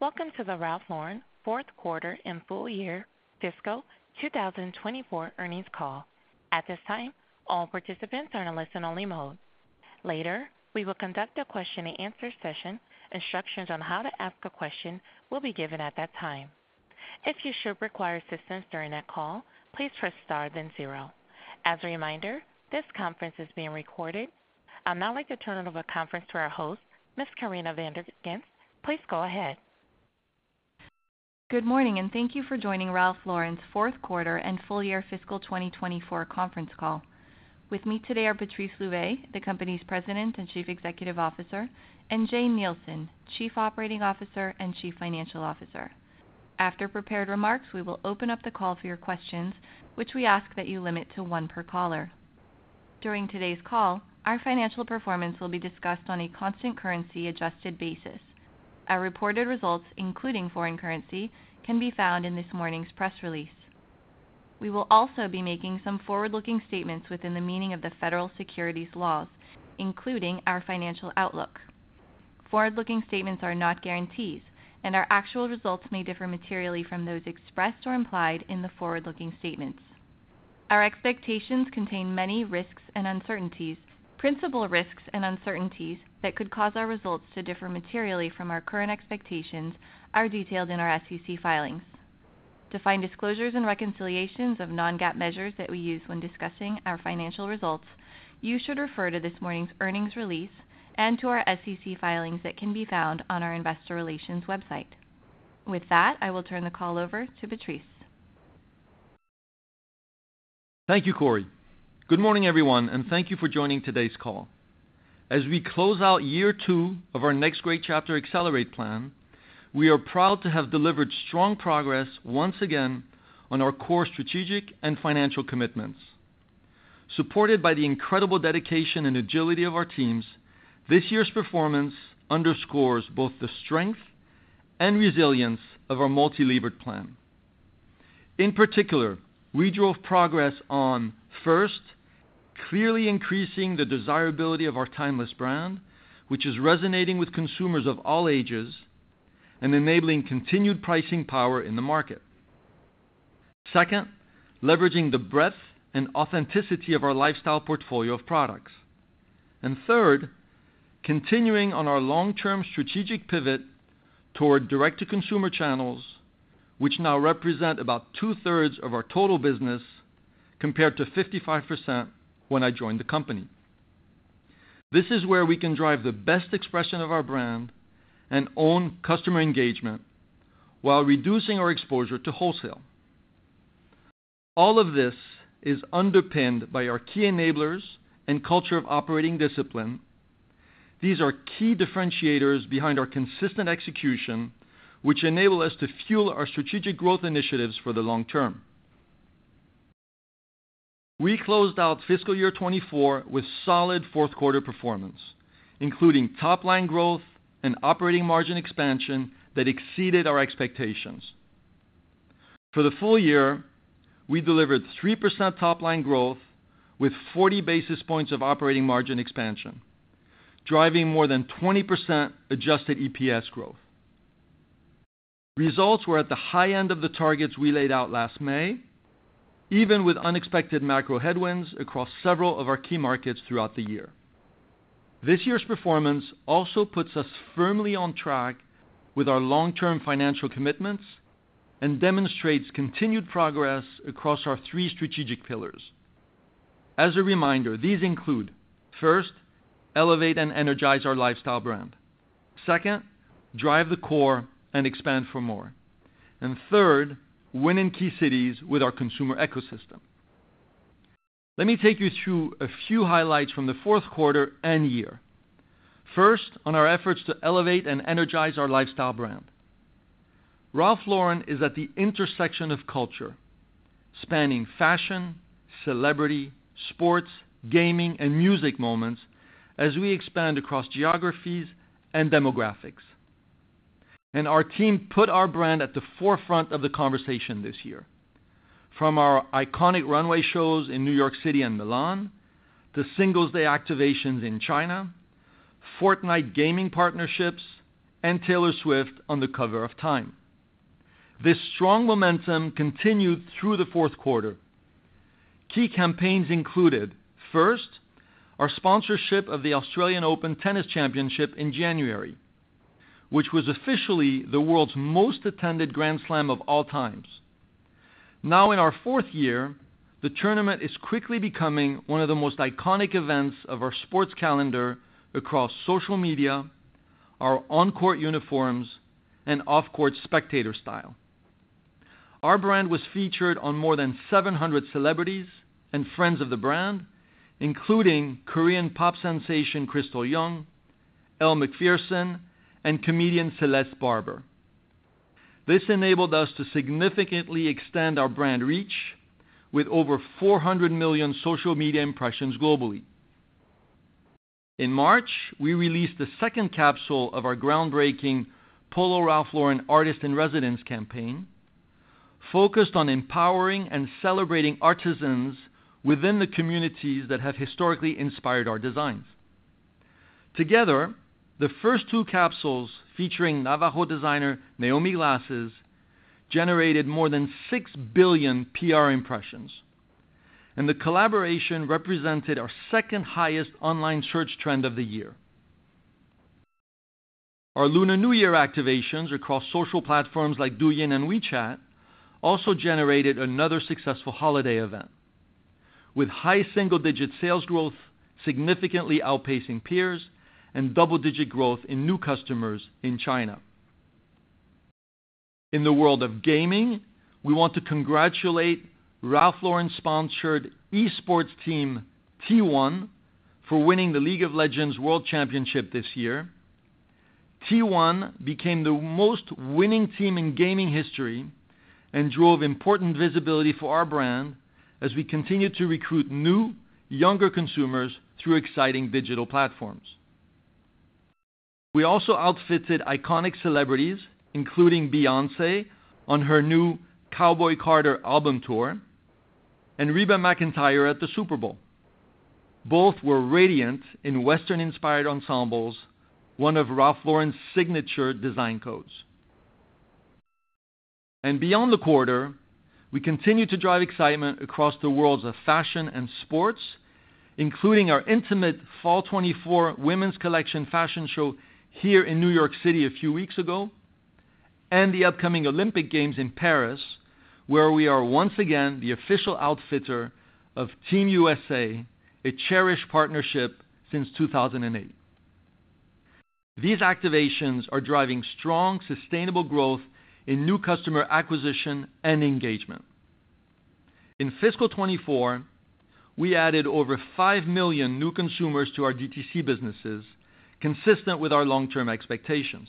Welcome to the Ralph Lauren fourth quarter and full year fiscal 2024 earnings call. At this time, all participants are in a listen-only mode. Later, we will conduct a question-and-answer session. Instructions on how to ask a question will be given at that time. If you should require assistance during that call, please press star then zero. As a reminder, this conference is being recorded. I'd now like to turn over the conference to our host, Ms. Corinna Van der Ghinst. Please go ahead. Good morning, and thank you for joining Ralph Lauren's fourth quarter and full year fiscal 2024 conference call. With me today are Patrice Louvet, the company's President and Chief Executive Officer, and Jane Nielsen, Chief Operating Officer and Chief Financial Officer. After prepared remarks, we will open up the call for your questions, which we ask that you limit to one per caller. During today's call, our financial performance will be discussed on a constant currency-adjusted basis. Our reported results, including foreign currency, can be found in this morning's press release. We will also be making some forward-looking statements within the meaning of the federal securities laws, including our financial outlook. Forward-looking statements are not guarantees, and our actual results may differ materially from those expressed or implied in the forward-looking statements. Our expectations contain many risks and uncertainties. Principal risks and uncertainties that could cause our results to differ materially from our current expectations are detailed in our SEC filings. To find disclosures and reconciliations of non-GAAP measures that we use when discussing our financial results, you should refer to this morning's earnings release and to our SEC filings that can be found on our investor relations website. With that, I will turn the call over to Patrice. Thank you, Corrie. Good morning, everyone, and thank you for joining today's call. As we close out year 2 of our Next Great Chapter: Accelerate plan, we are proud to have delivered strong progress once again on our core strategic and financial commitments. Supported by the incredible dedication and agility of our teams, this year's performance underscores both the strength and resilience of our multi-levered plan. In particular, we drove progress on, first, clearly increasing the desirability of our timeless brand, which is resonating with consumers of all ages and enabling continued pricing power in the market. Second, leveraging the breadth and authenticity of our lifestyle portfolio of products. And third, continuing on our long-term strategic pivot toward direct-to-consumer channels, which now represent about two-thirds of our total business, compared to 55% when I joined the company. This is where we can drive the best expression of our brand and own customer engagement while reducing our exposure to wholesale. All of this is underpinned by our key enablers and culture of operating discipline. These are key differentiators behind our consistent execution, which enable us to fuel our strategic growth initiatives for the long term. We closed out fiscal year 2024 with solid fourth quarter performance, including top-line growth and operating margin expansion that exceeded our expectations. For the full year, we delivered 3% top-line growth with 40 basis points of operating margin expansion, driving more than 20% Adjusted EPS growth. Results were at the high end of the targets we laid out last May, even with unexpected macro headwinds across several of our key markets throughout the year. This year's performance also puts us firmly on track with our long-term financial commitments and demonstrates continued progress across our three strategic pillars. As a reminder, these include, first, elevate and energize our lifestyle brand, second, drive the core and expand for more, and third, win in key cities with our consumer ecosystem. Let me take you through a few highlights from the fourth quarter and year. First, on our efforts to elevate and energize our lifestyle brand. Ralph Lauren is at the intersection of culture, spanning fashion, celebrity, sports, gaming, and music moments as we expand across geographies and demographics. Our team put our brand at the forefront of the conversation this year, from our iconic runway shows in New York City and Milan, to Singles Day activations in China, Fortnite gaming partnerships, and Taylor Swift on the cover of Time. This strong momentum continued through the fourth quarter. Key campaigns included, first, our sponsorship of the Australian Open Tennis Championship in January, which was officially the world's most attended Grand Slam of all time. Now, in our fourth year, the tournament is quickly becoming one of the most iconic events of our sports calendar across social media, our on-court uniforms, and off-court spectator style. Our brand was featured on more than 700 celebrities and friends of the brand, including Korean pop sensation Krystal Jung, Elle Macpherson, and comedian Celeste Barber. This enabled us to significantly extend our brand reach with over 400 million social media impressions globally. In March, we released the second capsule of our groundbreaking Polo Ralph Lauren Artist-in-Residence campaign, focused on empowering and celebrating artisans within the communities that have historically inspired our designs. Together, the first two capsules featuring Navajo designer, Naomi Glasses, generated more than 6 billion PR impressions, and the collaboration represented our second highest online search trend of the year. Our Lunar New Year activations across social platforms like Douyin and WeChat also generated another successful holiday event, with high single-digit sales growth, significantly outpacing peers, and double-digit growth in new customers in China. In the world of gaming, we want to congratulate Ralph Lauren-sponsored esports team, T1, for winning the League of Legends World Championship this year. T1 became the most winning team in gaming history and drove important visibility for our brand as we continue to recruit new, younger consumers through exciting digital platforms. We also outfitted iconic celebrities, including Beyoncé, on her new Cowboy Carter album tour, and Reba McEntire at the Super Bowl. Both were radiant in Western-inspired ensembles, one of Ralph Lauren's signature design codes. Beyond the quarter, we continue to drive excitement across the worlds of fashion and sports, including our intimate fall 2024 women's collection fashion show here in New York City a few weeks ago, and the upcoming Olympic Games in Paris, where we are once again the official outfitter of Team USA, a cherished partnership since 2008. These activations are driving strong, sustainable growth in new customer acquisition and engagement. In fiscal 2024, we added over 5 million new consumers to our DTC businesses, consistent with our long-term expectations.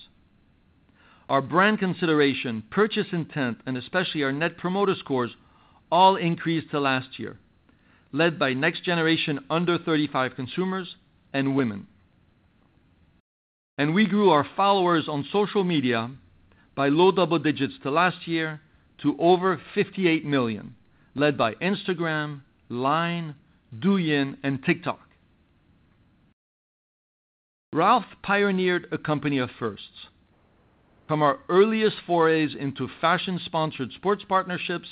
Our brand consideration, purchase intent, and especially our net promoter scores, all increased to last year, led by next generation, under 35 consumers and women. We grew our followers on social media by low double digits to last year, to over 58 million, led by Instagram, LINE, Douyin, and TikTok. Ralph pioneered a company of firsts, from our earliest forays into fashion-sponsored sports partnerships,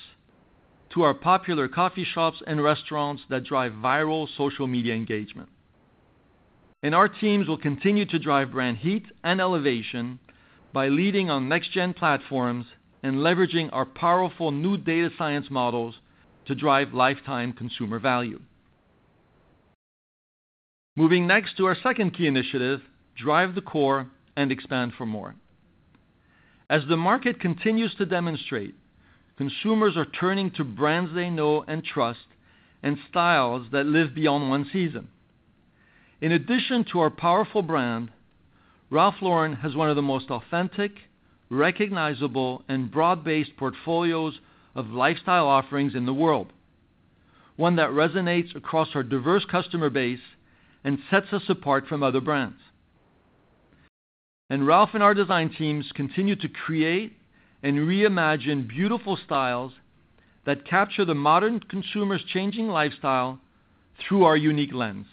to our popular coffee shops and restaurants that drive viral social media engagement. Our teams will continue to drive brand heat and elevation by leading on next-gen platforms and leveraging our powerful new data science models to drive lifetime consumer value. Moving next to our second key initiative, drive the core and expand for more. As the market continues to demonstrate, consumers are turning to brands they know and trust, and styles that live beyond one season. In addition to our powerful brand, Ralph Lauren has one of the most authentic, recognizable, and broad-based portfolios of lifestyle offerings in the world, one that resonates across our diverse customer base and sets us apart from other brands. Ralph and our design teams continue to create and reimagine beautiful styles that capture the modern consumer's changing lifestyle through our unique lens,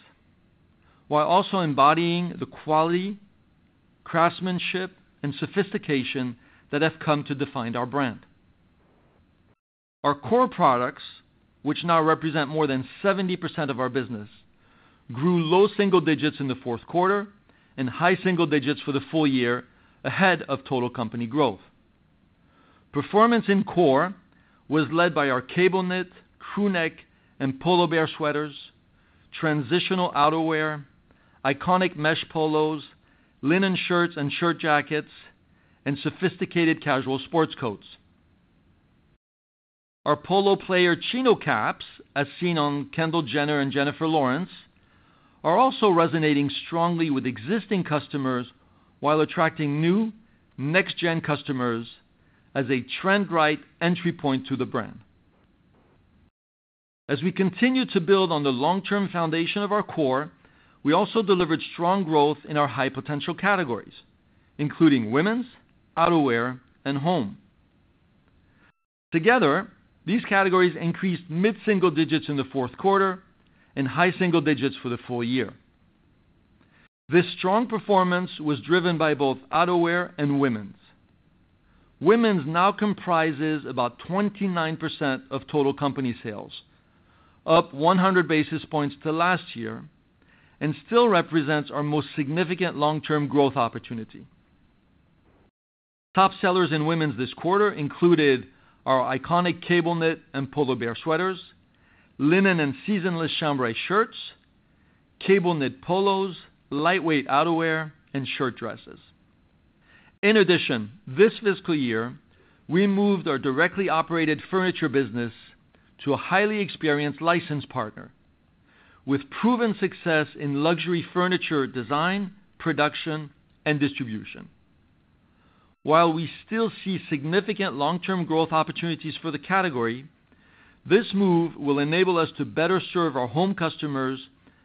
while also embodying the quality, craftsmanship, and sophistication that have come to define our brand. Our core products, which now represent more than 70% of our business, grew low single digits in the fourth quarter and high single digits for the full year ahead of total company growth. Performance in core was led by our cable knit, crew neck, and Polo Bear sweaters, transitional outerwear, iconic mesh polos, linen shirts and shirt jackets, and sophisticated casual sports coats. Our Polo Player Chino Caps, as seen on Kendall Jenner and Jennifer Lawrence, are also resonating strongly with existing customers, while attracting new next gen customers as a trend-right entry point to the brand. As we continue to build on the long-term foundation of our core, we also delivered strong growth in our high potential categories, including women's, outerwear, and home. Together, these categories increased mid single digits in the fourth quarter and high single digits for the full year. This strong performance was driven by both outerwear and women's. Women's now comprises about 29% of total company sales, up 100 basis points to last year, and still represents our most significant long-term growth opportunity. Top sellers in women's this quarter included our iconic cable knit and Polo Bear sweaters, linen and seasonless chambray shirts, cable knit polos, lightweight outerwear, and shirt dresses. In addition, this fiscal year, we moved our directly operated furniture business to a highly experienced licensed partner with proven success in luxury furniture design, production, and distribution. While we still see significant long-term growth opportunities for the category-... This move will enable us to better serve our home customers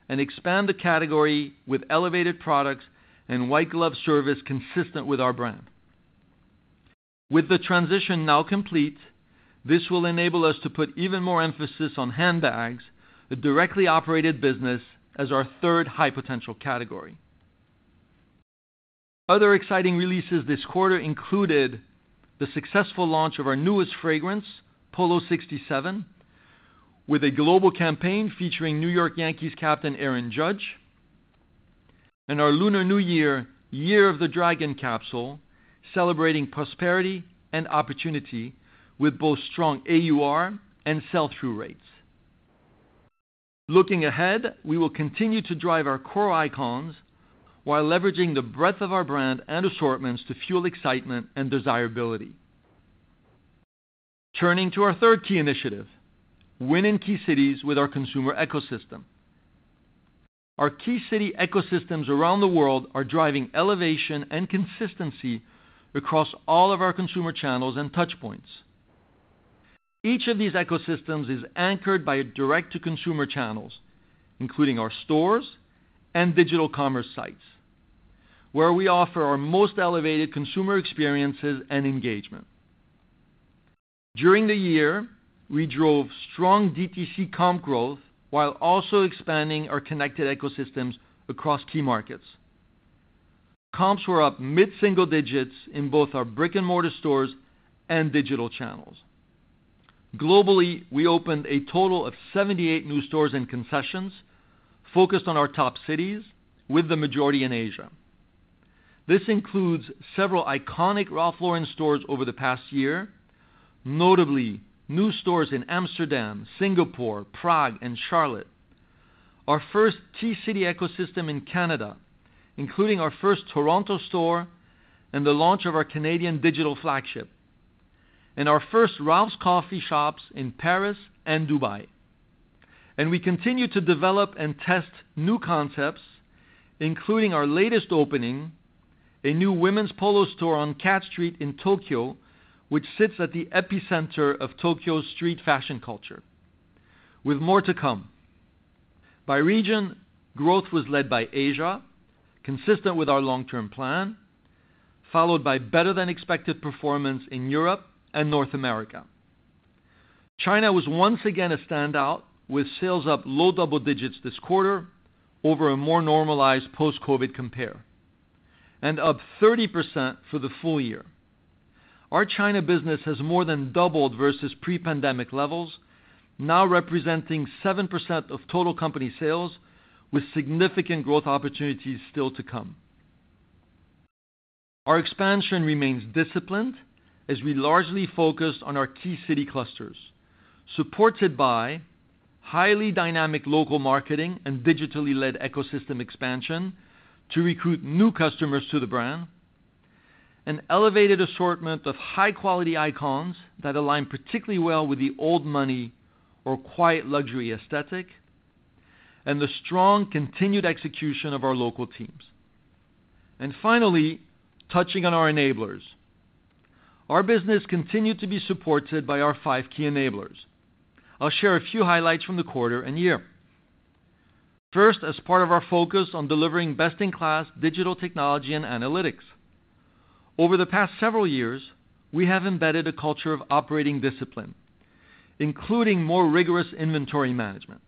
and expand the category with elevated products and white glove service consistent with our brand. With the transition now complete, this will enable us to put even more emphasis on handbags, a directly operated business, as our third high-potential category. Other exciting releases this quarter included the successful launch of our newest fragrance, Polo 67, with a global campaign featuring New York Yankees captain Aaron Judge, and our Lunar New Year, Year of the Dragon capsule, celebrating prosperity and opportunity with both strong AUR and sell-through rates. Looking ahead, we will continue to drive our core icons while leveraging the breadth of our brand and assortments to fuel excitement and desirability. Turning to our third key initiative, win in key cities with our consumer ecosystem. Our key city ecosystems around the world are driving elevation and consistency across all of our consumer channels and touchpoints. Each of these ecosystems is anchored by a direct-to-consumer channels, including our stores and digital commerce sites, where we offer our most elevated consumer experiences and engagement. During the year, we drove strong DTC comp growth, while also expanding our connected ecosystems across key markets. Comps were up mid-single digits in both our brick-and-mortar stores and digital channels. Globally, we opened a total of 78 new stores and concessions, focused on our top cities, with the majority in Asia. This includes several iconic Ralph Lauren stores over the past year, notably new stores in Amsterdam, Singapore, Prague, and Charlotte. Our first key city ecosystem in Canada, including our first Toronto store and the launch of our Canadian digital flagship, and our first Ralph's Coffee shops in Paris and Dubai. We continue to develop and test new concepts, including our latest opening, a new women's Polo store on Cat Street in Tokyo, which sits at the epicenter of Tokyo's street fashion culture, with more to come. By region, growth was led by Asia, consistent with our long-term plan, followed by better-than-expected performance in Europe and North America. China was once again a standout, with sales up low double digits this quarter over a more normalized post-COVID compare, and up 30% for the full year. Our China business has more than doubled versus pre-pandemic levels, now representing 7% of total company sales, with significant growth opportunities still to come. Our expansion remains disciplined as we largely focus on our key city clusters, supported by highly dynamic local marketing and digitally led ecosystem expansion to recruit new customers to the brand, an elevated assortment of high-quality icons that align particularly well with the old money or quiet luxury aesthetic, and the strong, continued execution of our local teams. And finally, touching on our enablers. Our business continued to be supported by our five key enablers. I'll share a few highlights from the quarter and year. First, as part of our focus on delivering best-in-class digital technology and analytics. Over the past several years, we have embedded a culture of operating discipline, including more rigorous inventory management.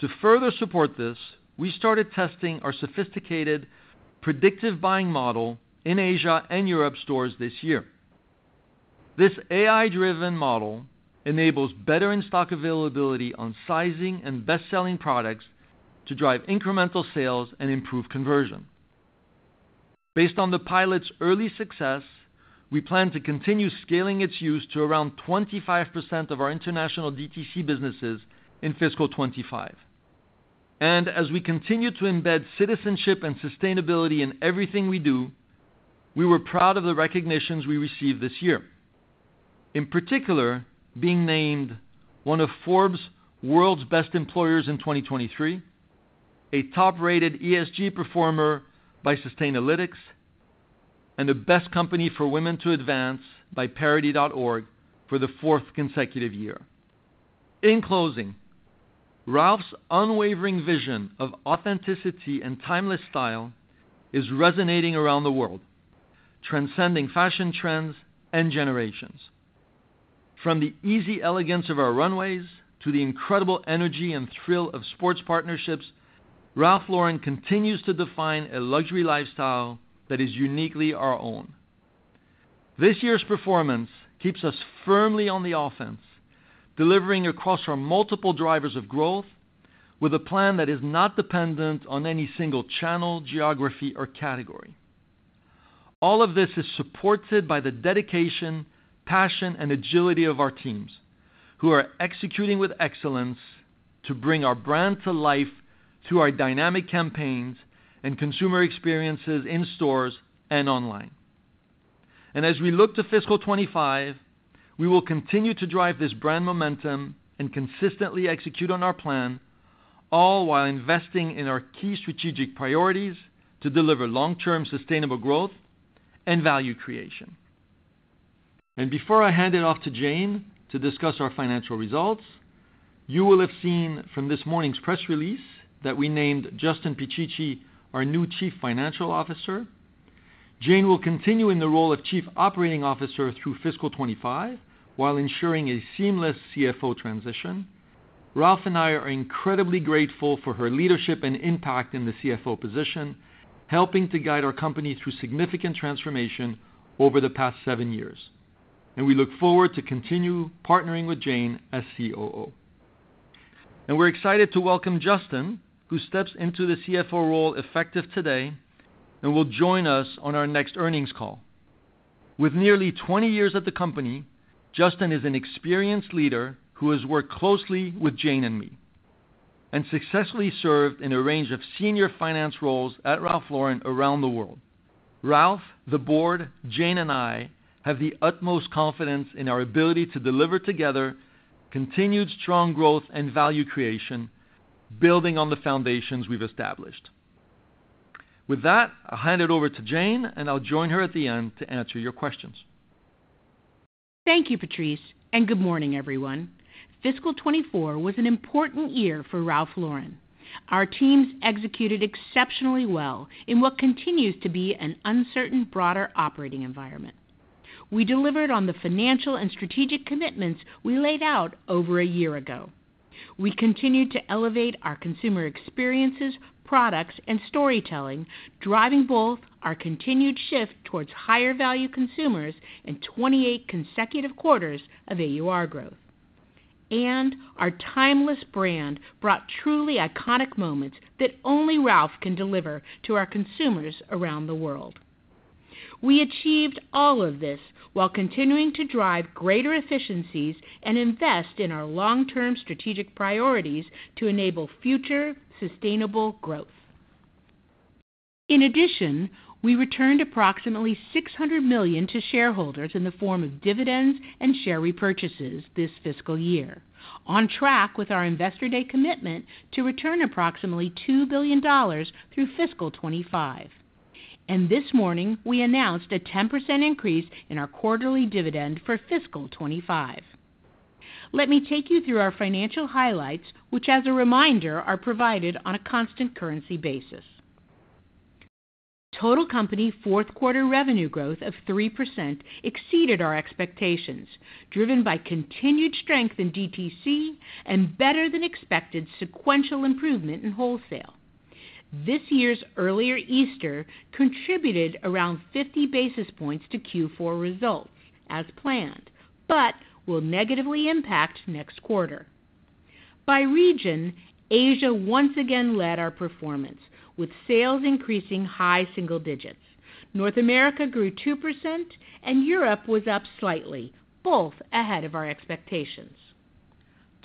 To further support this, we started testing our sophisticated predictive buying model in Asia and Europe stores this year. This AI-driven model enables better in-stock availability on sizing and best-selling products to drive incremental sales and improve conversion. Based on the pilot's early success, we plan to continue scaling its use to around 25% of our international DTC businesses in fiscal 2025. And as we continue to embed citizenship and sustainability in everything we do, we were proud of the recognitions we received this year. In particular, being named one of Forbes' World's Best Employers in 2023, a top-rated ESG performer by Sustainalytics, and the Best Company for Women to Advance by parity.org for the fourth consecutive year. In closing, Ralph's unwavering vision of authenticity and timeless style is resonating around the world, transcending fashion trends and generations. From the easy elegance of our runways to the incredible energy and thrill of sports partnerships, Ralph Lauren continues to define a luxury lifestyle that is uniquely our own. This year's performance keeps us firmly on the offense, delivering across our multiple drivers of growth, with a plan that is not dependent on any single channel, geography or category. All of this is supported by the dedication, passion, and agility of our teams, who are executing with excellence to bring our brand to life through our dynamic campaigns and consumer experiences in stores and online. And as we look to fiscal 25, we will continue to drive this brand momentum and consistently execute on our plan, all while investing in our key strategic priorities to deliver long-term sustainable growth and value creation. And before I hand it off to Jane to discuss our financial results, you will have seen from this morning's press release that we named Justin Picicci our new Chief Financial Officer. Jane will continue in the role of Chief Operating Officer through fiscal 2025, while ensuring a seamless CFO transition. Ralph and I are incredibly grateful for her leadership and impact in the CFO position, helping to guide our company through significant transformation over the past 7 years, and we look forward to continue partnering with Jane as COO. We're excited to welcome Justin, who steps into the CFO role effective today and will join us on our next earnings call. With nearly 20 years at the company, Justin is an experienced leader who has worked closely with Jane and me, and successfully served in a range of senior finance roles at Ralph Lauren around the world. Ralph, the board, Jane, and I have the utmost confidence in our ability to deliver together continued strong growth and value creation, building on the foundations we've established. With that, I'll hand it over to Jane, and I'll join her at the end to answer your questions. Thank you, Patrice, and good morning, everyone. Fiscal 2024 was an important year for Ralph Lauren. Our teams executed exceptionally well in what continues to be an uncertain, broader operating environment. We delivered on the financial and strategic commitments we laid out over a year ago. We continued to elevate our consumer experiences, products, and storytelling, driving both our continued shift towards higher-value consumers and 28 consecutive quarters of AUR growth. Our timeless brand brought truly iconic moments that only Ralph can deliver to our consumers around the world. We achieved all of this while continuing to drive greater efficiencies and invest in our long-term strategic priorities to enable future sustainable growth. In addition, we returned approximately $600 million to shareholders in the form of dividends and share repurchases this fiscal year, on track with our Investor Day commitment to return approximately $2 billion through Fiscal 2025. This morning, we announced a 10% increase in our quarterly dividend for fiscal 2025. Let me take you through our financial highlights, which, as a reminder, are provided on a constant currency basis. Total company fourth quarter revenue growth of 3% exceeded our expectations, driven by continued strength in DTC and better-than-expected sequential improvement in wholesale. This year's earlier Easter contributed around 50 basis points to Q4 results as planned, but will negatively impact next quarter. By region, Asia once again led our performance, with sales increasing high single digits. North America grew 2%, and Europe was up slightly, both ahead of our expectations.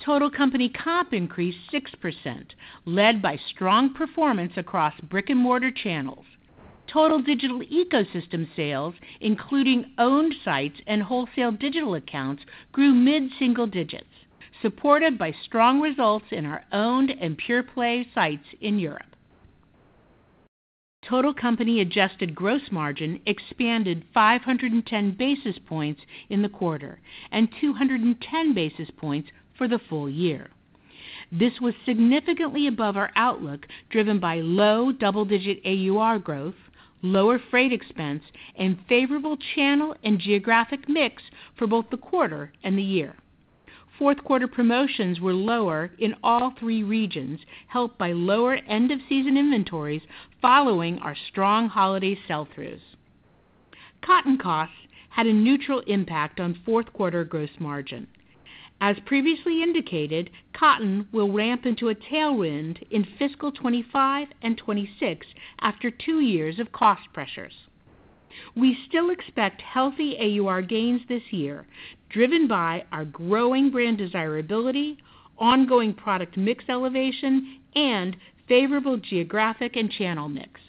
Total company comp increased 6%, led by strong performance across brick-and-mortar channels. Total digital ecosystem sales, including owned sites and wholesale digital accounts, grew mid-single digits, supported by strong results in our owned and pure-play sites in Europe. Total company adjusted gross margin expanded 510 basis points in the quarter and 210 basis points for the full year. This was significantly above our outlook, driven by low double-digit AUR growth, lower freight expense, and favorable channel and geographic mix for both the quarter and the year. Fourth quarter promotions were lower in all 3 regions, helped by lower end-of-season inventories following our strong holiday sell-throughs. Cotton costs had a neutral impact on fourth quarter gross margin. As previously indicated, cotton will ramp into a tailwind in fiscal 2025 and 2026 after 2 years of cost pressures. We still expect healthy AUR gains this year, driven by our growing brand desirability, ongoing product mix elevation, and favorable geographic and channel mix.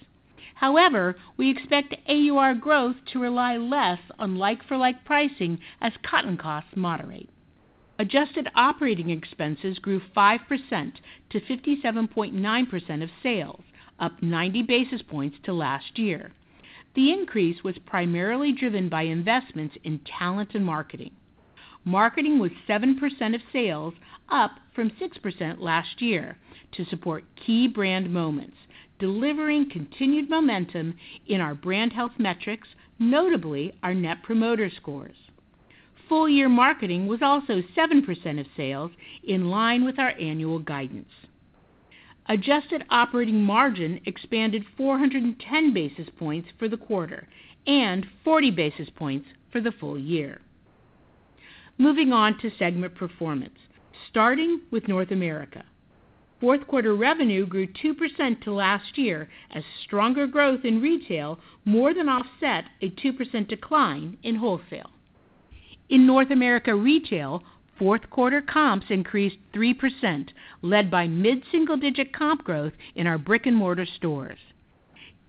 However, we expect AUR growth to rely less on like-for-like pricing as cotton costs moderate. Adjusted operating expenses grew 5% to 57.9% of sales, up 90 basis points to last year. The increase was primarily driven by investments in talent and marketing. Marketing was 7% of sales, up from 6% last year, to support key brand moments, delivering continued momentum in our brand health metrics, notably our net promoter scores. Full year marketing was also 7% of sales, in line with our annual guidance. Adjusted operating margin expanded 410 basis points for the quarter and 40 basis points for the full year. Moving on to segment performance, starting with North America. Fourth quarter revenue grew 2% to last year as stronger growth in retail more than offset a 2% decline in wholesale. In North America retail, fourth quarter comps increased 3%, led by mid-single-digit comp growth in our brick-and-mortar stores.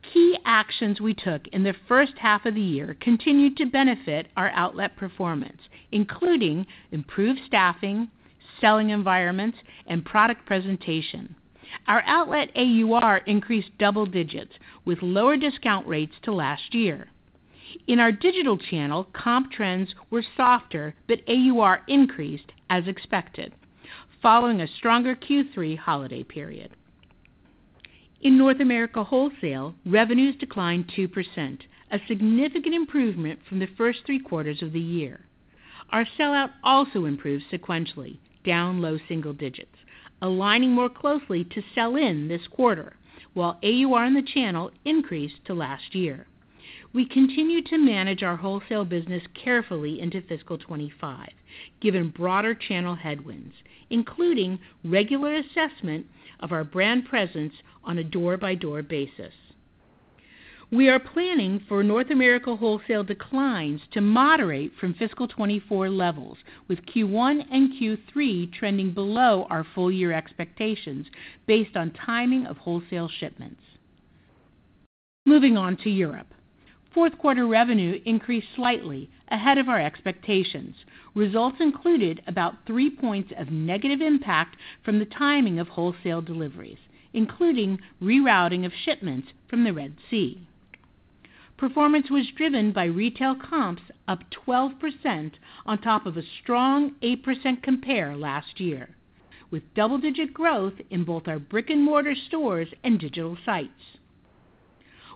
Key actions we took in the first half of the year continued to benefit our outlet performance, including improved staffing, selling environments, and product presentation. Our outlet AUR increased double digits with lower discount rates to last year. In our digital channel, comp trends were softer, but AUR increased as expected, following a stronger Q3 holiday period. In North America wholesale, revenues declined 2%, a significant improvement from the first three quarters of the year. Our sellout also improved sequentially, down low single digits, aligning more closely to sell-in this quarter, while AUR in the channel increased to last year. We continue to manage our wholesale business carefully into fiscal 2025, given broader channel headwinds, including regular assessment of our brand presence on a door-by-door basis. We are planning for North America wholesale declines to moderate from fiscal 2024 levels, with Q1 and Q3 trending below our full year expectations based on timing of wholesale shipments. Moving on to Europe. Fourth quarter revenue increased slightly ahead of our expectations. Results included about 3 points of negative impact from the timing of wholesale deliveries, including rerouting of shipments from the Red Sea. Performance was driven by retail comps up 12% on top of a strong 8% compare last year, with double-digit growth in both our brick-and-mortar stores and digital sites.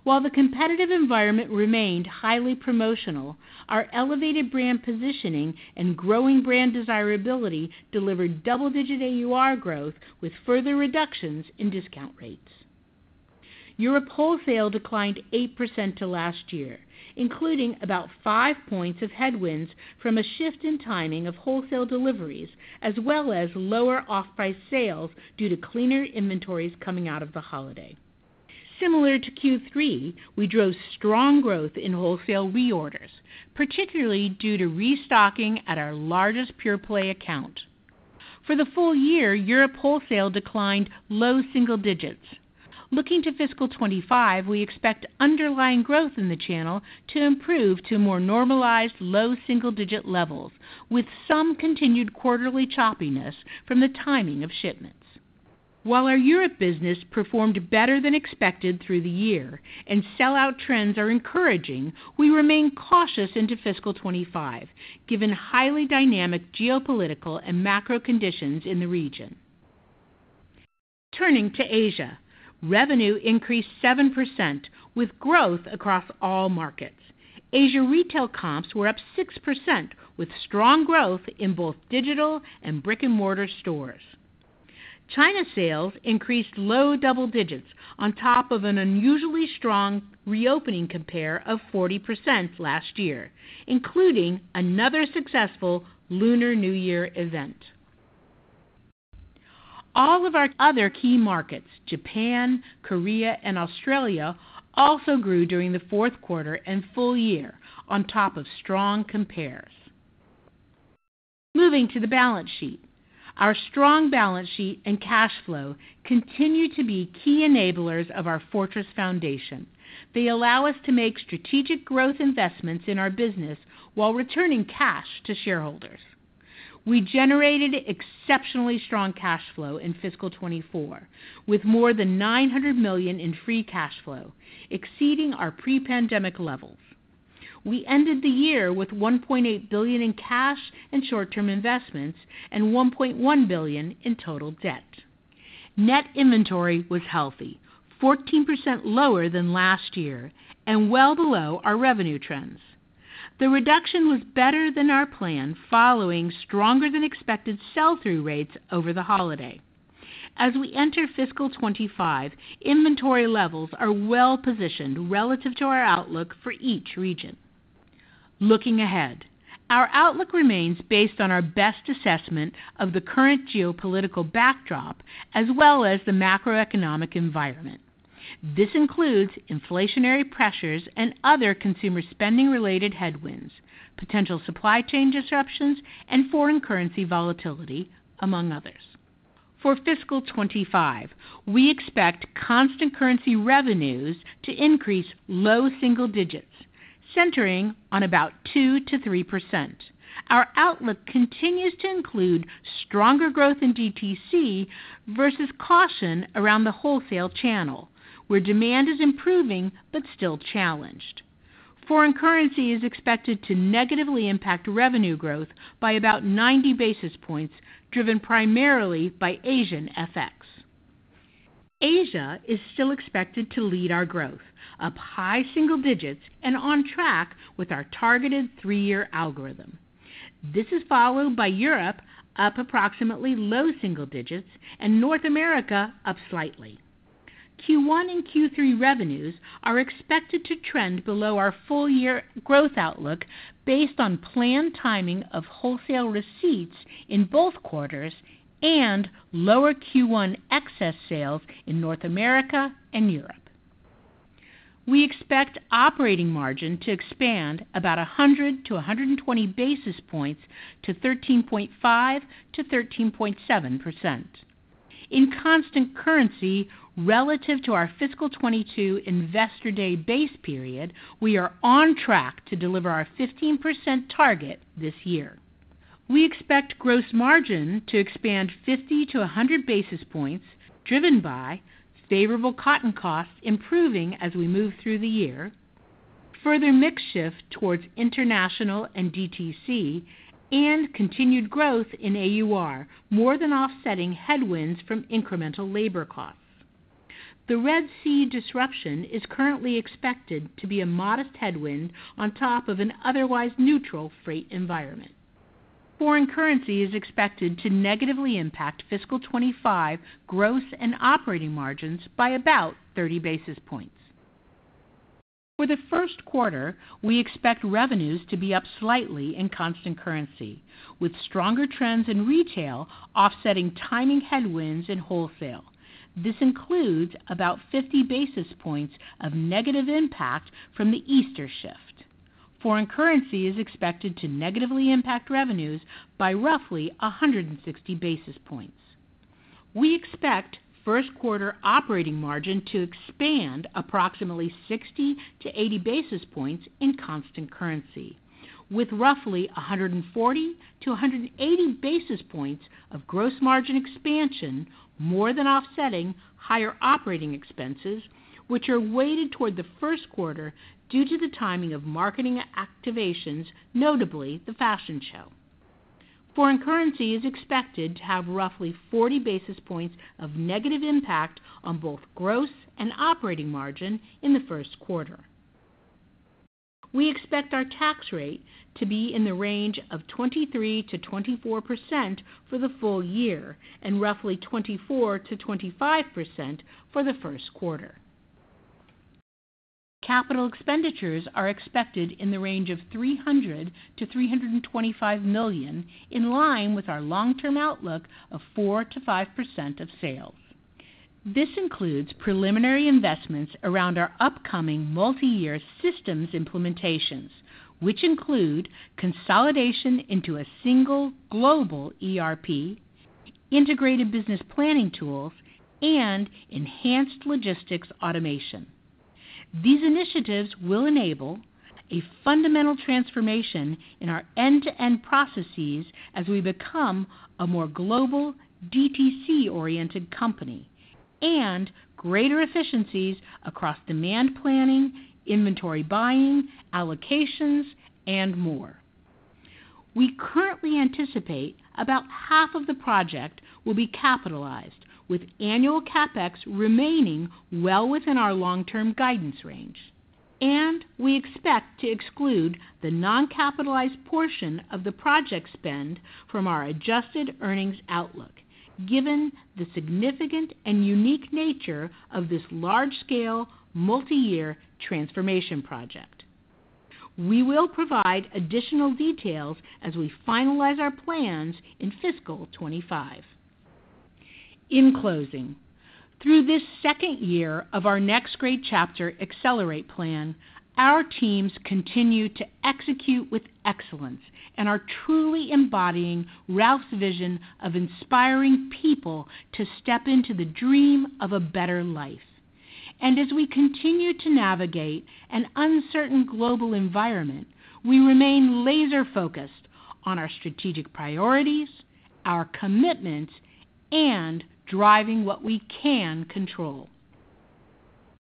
While the competitive environment remained highly promotional, our elevated brand positioning and growing brand desirability delivered double-digit AUR growth with further reductions in discount rates. Europe wholesale declined 8% to last year, including about five points of headwinds from a shift in timing of wholesale deliveries, as well as lower off-price sales due to cleaner inventories coming out of the holiday. Similar to Q3, we drove strong growth in wholesale reorders, particularly due to restocking at our largest pure play account. For the full year, Europe wholesale declined low single digits. Looking to fiscal 2025, we expect underlying growth in the channel to improve to more normalized low single-digit levels, with some continued quarterly choppiness from the timing of shipments. While our Europe business performed better than expected through the year and sell-out trends are encouraging, we remain cautious into fiscal 2025, given highly dynamic geopolitical and macro conditions in the region. Turning to Asia, revenue increased 7%, with growth across all markets. Asia retail comps were up 6%, with strong growth in both digital and brick-and-mortar stores. China sales increased low double digits on top of an unusually strong reopening compare of 40% last year, including another successful Lunar New Year event. All of our other key markets, Japan, Korea, and Australia, also grew during the fourth quarter and full year on top of strong compares. Moving to the balance sheet. Our strong balance sheet and cash flow continue to be key enablers of our fortress foundation. They allow us to make strategic growth investments in our business while returning cash to shareholders. We generated exceptionally strong cash flow in fiscal 2024, with more than $900 million in free cash flow, exceeding our pre-pandemic levels. We ended the year with $1.8 billion in cash and short-term investments and $1.1 billion in total debt. Net inventory was healthy, 14% lower than last year and well below our revenue trends. The reduction was better than our plan, following stronger than expected sell-through rates over the holiday. As we enter fiscal 2025, inventory levels are well positioned relative to our outlook for each region. Looking ahead, our outlook remains based on our best assessment of the current geopolitical backdrop as well as the macroeconomic environment. This includes inflationary pressures and other consumer spending-related headwinds, potential supply chain disruptions, and foreign currency volatility, among others. For fiscal 2025, we expect constant currency revenues to increase low single digits, centering on about 2%-3%. Our outlook continues to include stronger growth in DTC versus caution around the wholesale channel, where demand is improving but still challenged. Foreign currency is expected to negatively impact revenue growth by about 90 basis points, driven primarily by Asian FX. Asia is still expected to lead our growth, up high single digits and on track with our targeted 3-year algorithm. This is followed by Europe, up approximately low single digits, and North America, up slightly. Q1 and Q3 revenues are expected to trend below our full-year growth outlook based on planned timing of wholesale receipts in both quarters and lower Q1 excess sales in North America and Europe. We expect operating margin to expand about 100-120 basis points to 13.5%-13.7%. In constant currency, relative to our fiscal 2022 Investor Day base period, we are on track to deliver our 15% target this year… We expect gross margin to expand 50-100 basis points, driven by favorable cotton costs improving as we move through the year, further mix shift towards international and DTC, and continued growth in AUR, more than offsetting headwinds from incremental labor costs. The Red Sea disruption is currently expected to be a modest headwind on top of an otherwise neutral freight environment. Foreign currency is expected to negatively impact fiscal 2025 gross and operating margins by about 30 basis points. For the first quarter, we expect revenues to be up slightly in constant currency, with stronger trends in retail offsetting timing headwinds in wholesale. This includes about 50 basis points of negative impact from the Easter shift. Foreign currency is expected to negatively impact revenues by roughly 160 basis points. We expect first quarter operating margin to expand approximately 60-80 basis points in constant currency, with roughly 140-180 basis points of gross margin expansion, more than offsetting higher operating expenses, which are weighted toward the first quarter due to the timing of marketing activations, notably the fashion show. Foreign currency is expected to have roughly 40 basis points of negative impact on both gross and operating margin in the first quarter. We expect our tax rate to be in the range of 23%-24% for the full year and roughly 24%-25% for the first quarter. Capital expenditures are expected in the range of $300 million-$325 million, in line with our long-term outlook of 4%-5% of sales. This includes preliminary investments around our upcoming multiyear systems implementations, which include consolidation into a single global ERP, integrated business planning tools, and enhanced logistics automation. These initiatives will enable a fundamental transformation in our end-to-end processes as we become a more global, DTC-oriented company, and greater efficiencies across demand planning, inventory buying, allocations, and more. We currently anticipate about half of the project will be capitalized, with annual CapEx remaining well within our long-term guidance range, and we expect to exclude the non-capitalized portion of the project spend from our adjusted earnings outlook, given the significant and unique nature of this large-scale, multiyear transformation project. We will provide additional details as we finalize our plans in fiscal 2025. In closing, through this second year of our next great Chapter Accelerate plan, our teams continue to execute with excellence and are truly embodying Ralph's vision of inspiring people to step into the dream of a better life. As we continue to navigate an uncertain global environment, we remain laser focused on our strategic priorities, our commitments, and driving what we can control.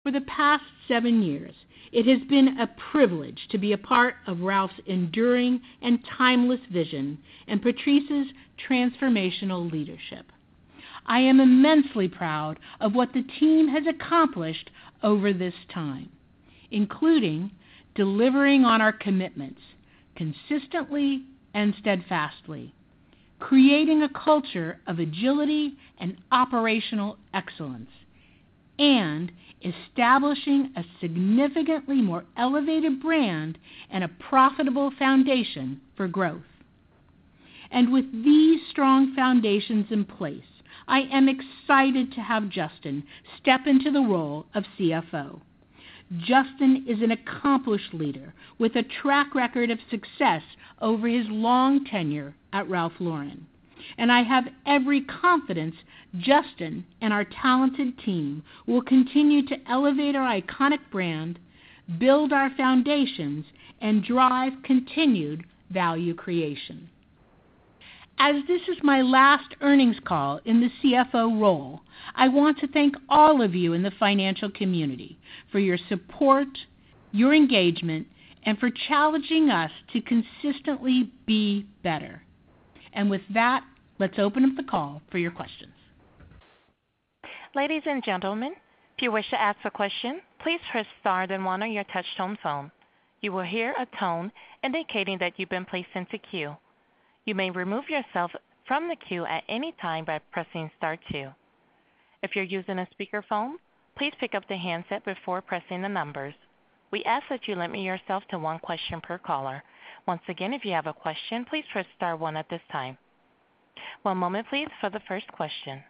For the past seven years, it has been a privilege to be a part of Ralph's enduring and timeless vision and Patrice's transformational leadership. I am immensely proud of what the team has accomplished over this time, including delivering on our commitments consistently and steadfastly, creating a culture of agility and operational excellence, and establishing a significantly more elevated brand and a profitable foundation for growth. With these strong foundations in place, I am excited to have Justin step into the role of CFO. Justin is an accomplished leader with a track record of success over his long tenure at Ralph Lauren, and I have every confidence Justin and our talented team will continue to elevate our iconic brand, build our foundations, and drive continued value creation. As this is my last earnings call in the CFO role, I want to thank all of you in the financial community for your support, your engagement, and for challenging us to consistently be better. With that, let's open up the call for your questions. Ladies and gentlemen, if you wish to ask a question, please press star, then one on your touchtone phone. You will hear a tone indicating that you've been placed into queue. You may remove yourself from the queue at any time by pressing star two. If you're using a speakerphone, please pick up the handset before pressing the numbers. We ask that you limit yourself to one question per caller. Once again, if you have a question, please press star one at this time. One moment please for the first question.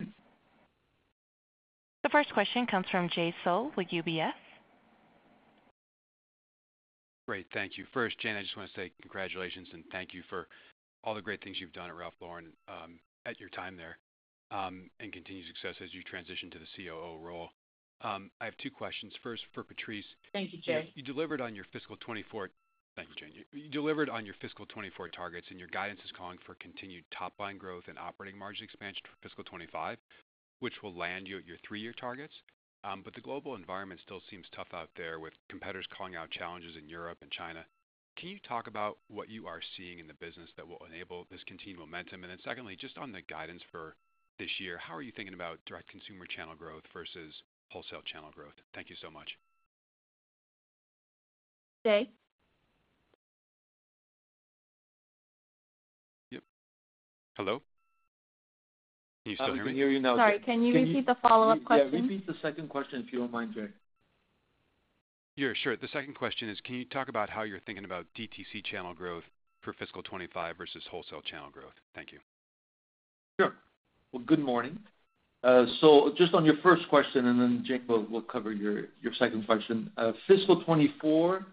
The first question comes from Jay Sole with UBS. Great, thank you. First, Jane, I just want to say congratulations and thank you for all the great things you've done at Ralph Lauren, at your time there, and continued success as you transition to the COO role. I have two questions. First, for Patrice. Thank you, Jay. You delivered on your fiscal 2024—thank you, Jane. You delivered on your fiscal 2024 targets, and your guidance is calling for continued top-line growth and operating margin expansion for fiscal 2025, which will land you at your three-year targets. But the global environment still seems tough out there, with competitors calling out challenges in Europe and China. Can you talk about what you are seeing in the business that will enable this continued momentum? And then secondly, just on the guidance for this year, how are you thinking about direct-to-consumer channel growth versus wholesale channel growth? Thank you so much. Jay? Yep. Hello? Can you still hear me? We can hear you now. Sorry, can you repeat the follow-up question? Yeah, repeat the second question, if you don't mind, Jay. Yeah, sure. The second question is: Can you talk about how you're thinking about DTC channel growth for fiscal 25 versus wholesale channel growth? Thank you. Sure. Well, good morning. So just on your first question, and then Jane will cover your second question. Fiscal 2024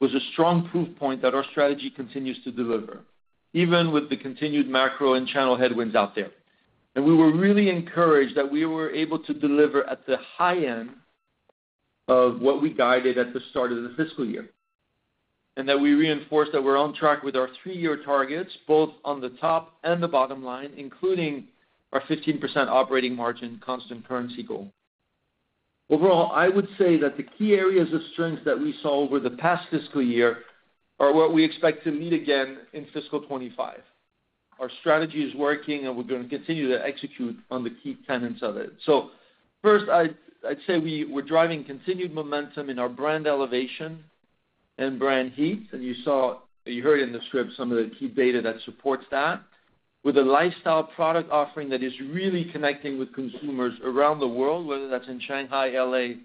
was a strong proof point that our strategy continues to deliver, even with the continued macro and channel headwinds out there. And we were really encouraged that we were able to deliver at the high end of what we guided at the start of the fiscal year, and that we reinforced that we're on track with our three-year targets, both on the top and the bottom line, including our 15% operating margin constant currency goal. Overall, I would say that the key areas of strength that we saw over the past fiscal year are what we expect to meet again in fiscal 2025. Our strategy is working, and we're going to continue to execute on the key tenets of it. So first, I'd say we're driving continued momentum in our brand elevation and brand heat. You saw, you heard in the script some of the key data that supports that. With a lifestyle product offering that is really connecting with consumers around the world, whether that's in Shanghai, L.A.,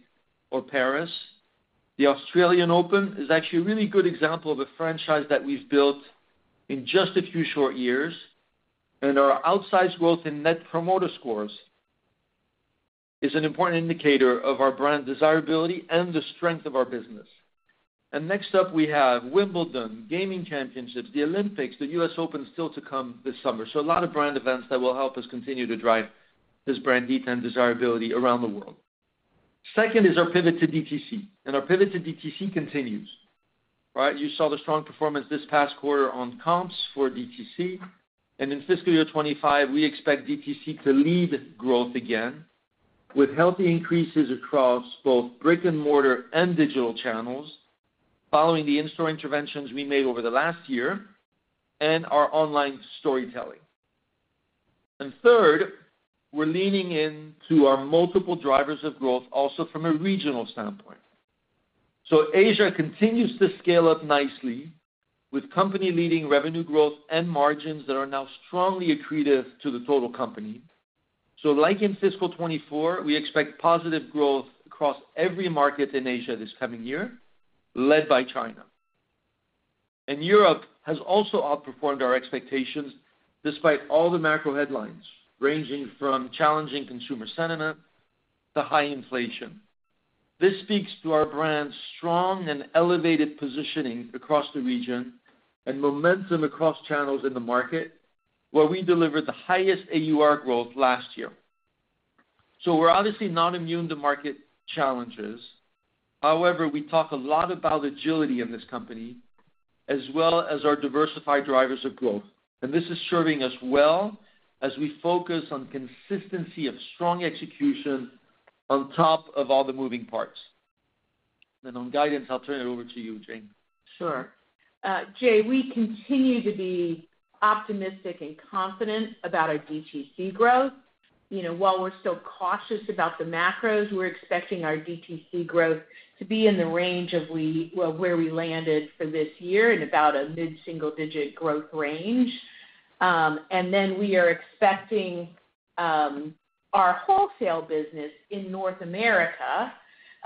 or Paris. The Australian Open is actually a really good example of a franchise that we've built in just a few short years, and our outsized growth in Net Promoter Scores is an important indicator of our brand desirability and the strength of our business. Next up, we have Wimbledon, Gaming Championships, the Olympics, the U.S. Open, still to come this summer. A lot of brand events that will help us continue to drive this brand heat and desirability around the world. Second is our pivot to DTC, and our pivot to DTC continues, right? You saw the strong performance this past quarter on comps for DTC, and in fiscal year 25, we expect DTC to lead growth again, with healthy increases across both brick-and-mortar and digital channels, following the in-store interventions we made over the last year and our online storytelling. And third, we're leaning into our multiple drivers of growth, also from a regional standpoint. So Asia continues to scale up nicely, with company-leading revenue growth and margins that are now strongly accretive to the total company. So like in fiscal 24, we expect positive growth across every market in Asia this coming year, led by China. And Europe has also outperformed our expectations, despite all the macro headlines, ranging from challenging consumer sentiment to high inflation. This speaks to our brand's strong and elevated positioning across the region and momentum across channels in the market, where we delivered the highest AUR growth last year. So we're obviously not immune to market challenges. However, we talk a lot about agility in this company, as well as our diversified drivers of growth, and this is serving us well as we focus on consistency of strong execution on top of all the moving parts. And on guidance, I'll turn it over to you, Jane. Sure. Jay, we continue to be optimistic and confident about our DTC growth. You know, while we're still cautious about the macros, we're expecting our DTC growth to be in the range of well, where we landed for this year, in about a mid-single-digit growth range. And then we are expecting our wholesale business in North America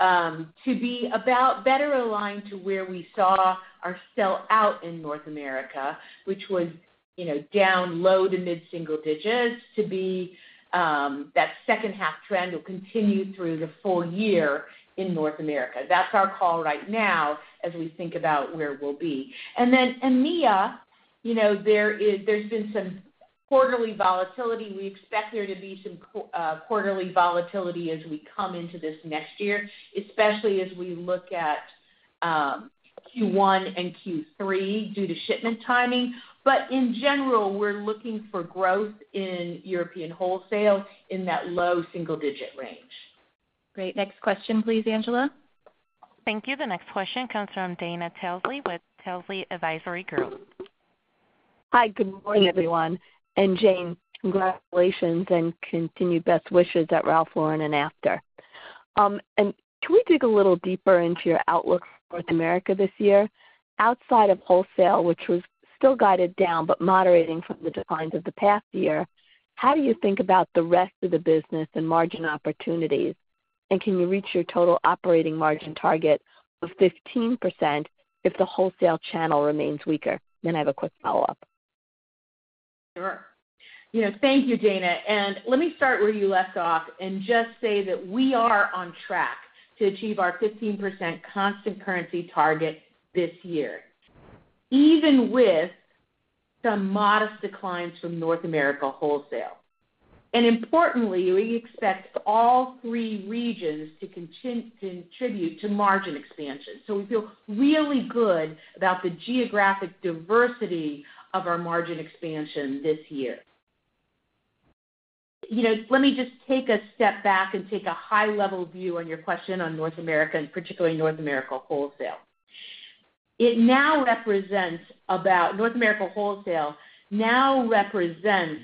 to be about better aligned to where we saw our sell out in North America, which was, you know, down low to mid-single digits, that second half trend will continue through the full year in North America. That's our call right now as we think about where we'll be. And then EMEA, you know, there's been some quarterly volatility. We expect there to be some quarterly volatility as we come into this next year, especially as we look at Q1 and Q3 due to shipment timing. But in general, we're looking for growth in European wholesale in that low single-digit range. Great. Next question, please, Angela. Thank you. The next question comes from Dana Telsey with Telsey Advisory Group. Hi, good morning, everyone. And Jane, congratulations and continued best wishes at Ralph Lauren and after. And can we dig a little deeper into your outlook for North America this year? Outside of wholesale, which was still guided down, but moderating from the declines of the past year, how do you think about the rest of the business and margin opportunities? And can you reach your total operating margin target of 15% if the wholesale channel remains weaker? Then I have a quick follow-up. Sure. You know, thank you, Dana, and let me start where you left off and just say that we are on track to achieve our 15% Constant Currency target this year, even with some modest declines from North America wholesale. And importantly, we expect all three regions to contribute to margin expansion. So we feel really good about the geographic diversity of our margin expansion this year. You know, let me just take a step back and take a high-level view on your question on North America, and particularly North America wholesale. North America wholesale now represents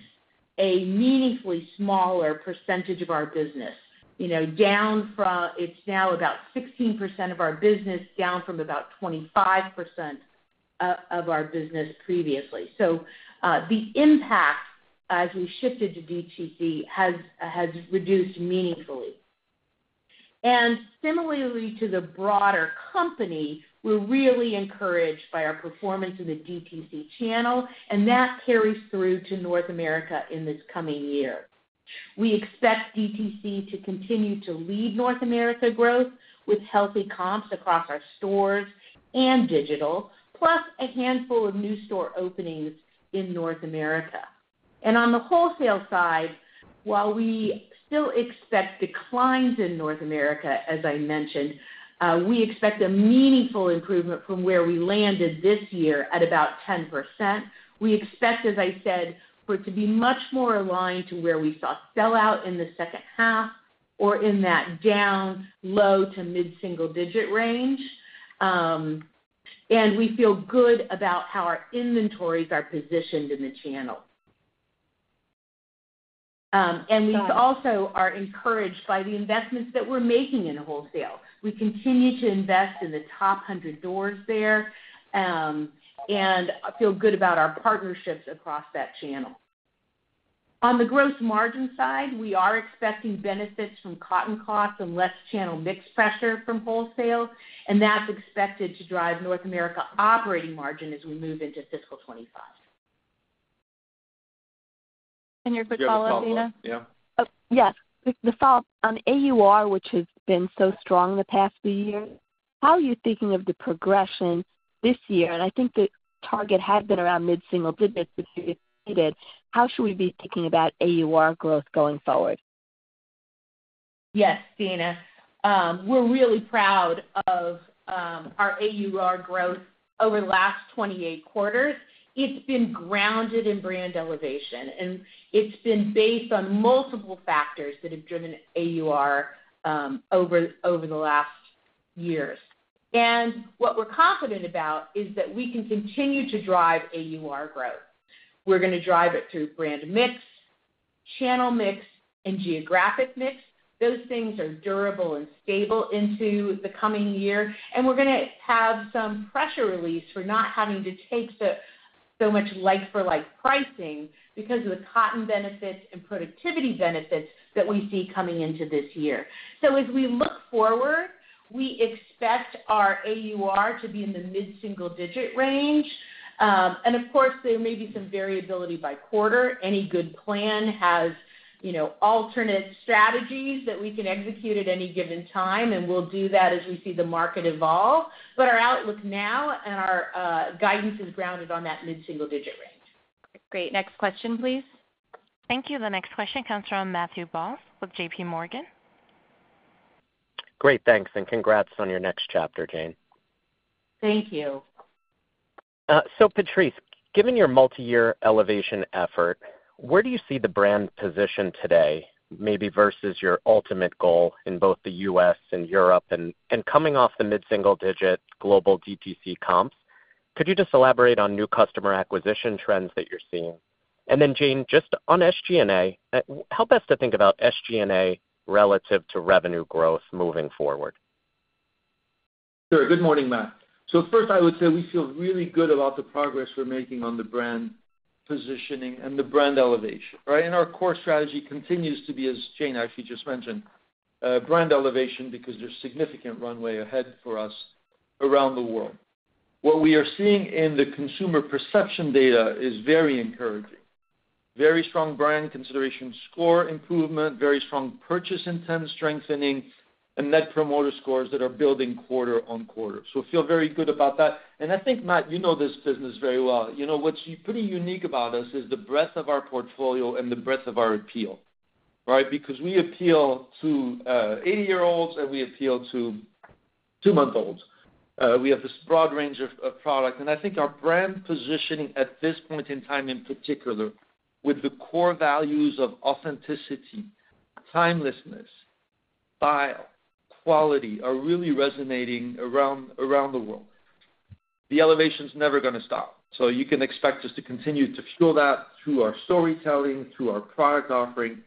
a meaningfully smaller percentage of our business, you know. It's now about 16% of our business, down from about 25% of our business previously. So, the impact as we shifted to DTC has reduced meaningfully. Similarly to the broader company, we're really encouraged by our performance in the DTC channel, and that carries through to North America in this coming year. We expect DTC to continue to lead North America growth, with healthy comps across our stores and digital, plus a handful of new store openings in North America. On the wholesale side, while we still expect declines in North America, as I mentioned, we expect a meaningful improvement from where we landed this year at about 10%. We expect, as I said, for it to be much more aligned to where we saw sell-out in the second half or in that down low to mid-single digit range. We feel good about how our inventories are positioned in the channel. We also are encouraged by the investments that we're making in wholesale. We continue to invest in the top 100 doors there, and feel good about our partnerships across that channel. On the gross margin side, we are expecting benefits from cotton costs and less channel mix pressure from wholesale, and that's expected to drive North America operating margin as we move into fiscal 2025. Your follow-up, Dana? Yeah. Oh, yes. The follow-up on AUR, which has been so strong in the past few years, how are you thinking of the progression this year? And I think the target had been around mid-single digits, but you exceeded. How should we be thinking about AUR growth going forward? Yes, Dana. We're really proud of our AUR growth over the last 28 quarters. It's been grounded in brand elevation, and it's been based on multiple factors that have driven AUR over the last years. And what we're confident about is that we can continue to drive AUR growth. We're gonna drive it through brand mix, channel mix, and geographic mix. Those things are durable and stable into the coming year, and we're gonna have some pressure release for not having to take so much like-for-like pricing because of the cotton benefits and productivity benefits that we see coming into this year. So as we look forward, we expect our AUR to be in the mid-single-digit range. And of course, there may be some variability by quarter. Any good plan has, you know, alternate strategies that we can execute at any given time, and we'll do that as we see the market evolve. But our outlook now and our guidance is grounded on that mid-single digit range. Great. Next question, please. Thank you. The next question comes from Matthew Boss with J.P. Morgan. Great, thanks, and congrats on your next chapter, Jane. Thank you. So, Patrice, given your multi-year elevation effort, where do you see the brand positioned today, maybe versus your ultimate goal in both the U.S. and Europe? And, and coming off the mid-single digit global DTC comps, could you just elaborate on new customer acquisition trends that you're seeing? And then, Jane, just on SG&A, help us to think about SG&A relative to revenue growth moving forward. Sure. Good morning, Matt. So first, I would say we feel really good about the progress we're making on the brand positioning and the brand elevation, right? And our core strategy continues to be, as Jane actually just mentioned, brand elevation, because there's significant runway ahead for us around the world. What we are seeing in the consumer perception data is very encouraging. Very strong brand consideration, score improvement, very strong purchase intent, strengthening, and net promoter scores that are building quarter-over-quarter. So we feel very good about that. And I think, Matt, you know this business very well. You know, what's pretty unique about us is the breadth of our portfolio and the breadth of our appeal, right? Because we appeal to 80-year-olds, and we appeal to two-month-olds. We have this broad range of product, and I think our brand positioning at this point in time, in particular, with the core values of authenticity, timelessness, style, quality, are really resonating around the world. The elevation is never gonna stop, so you can expect us to continue to fuel that through our storytelling, through our product offering,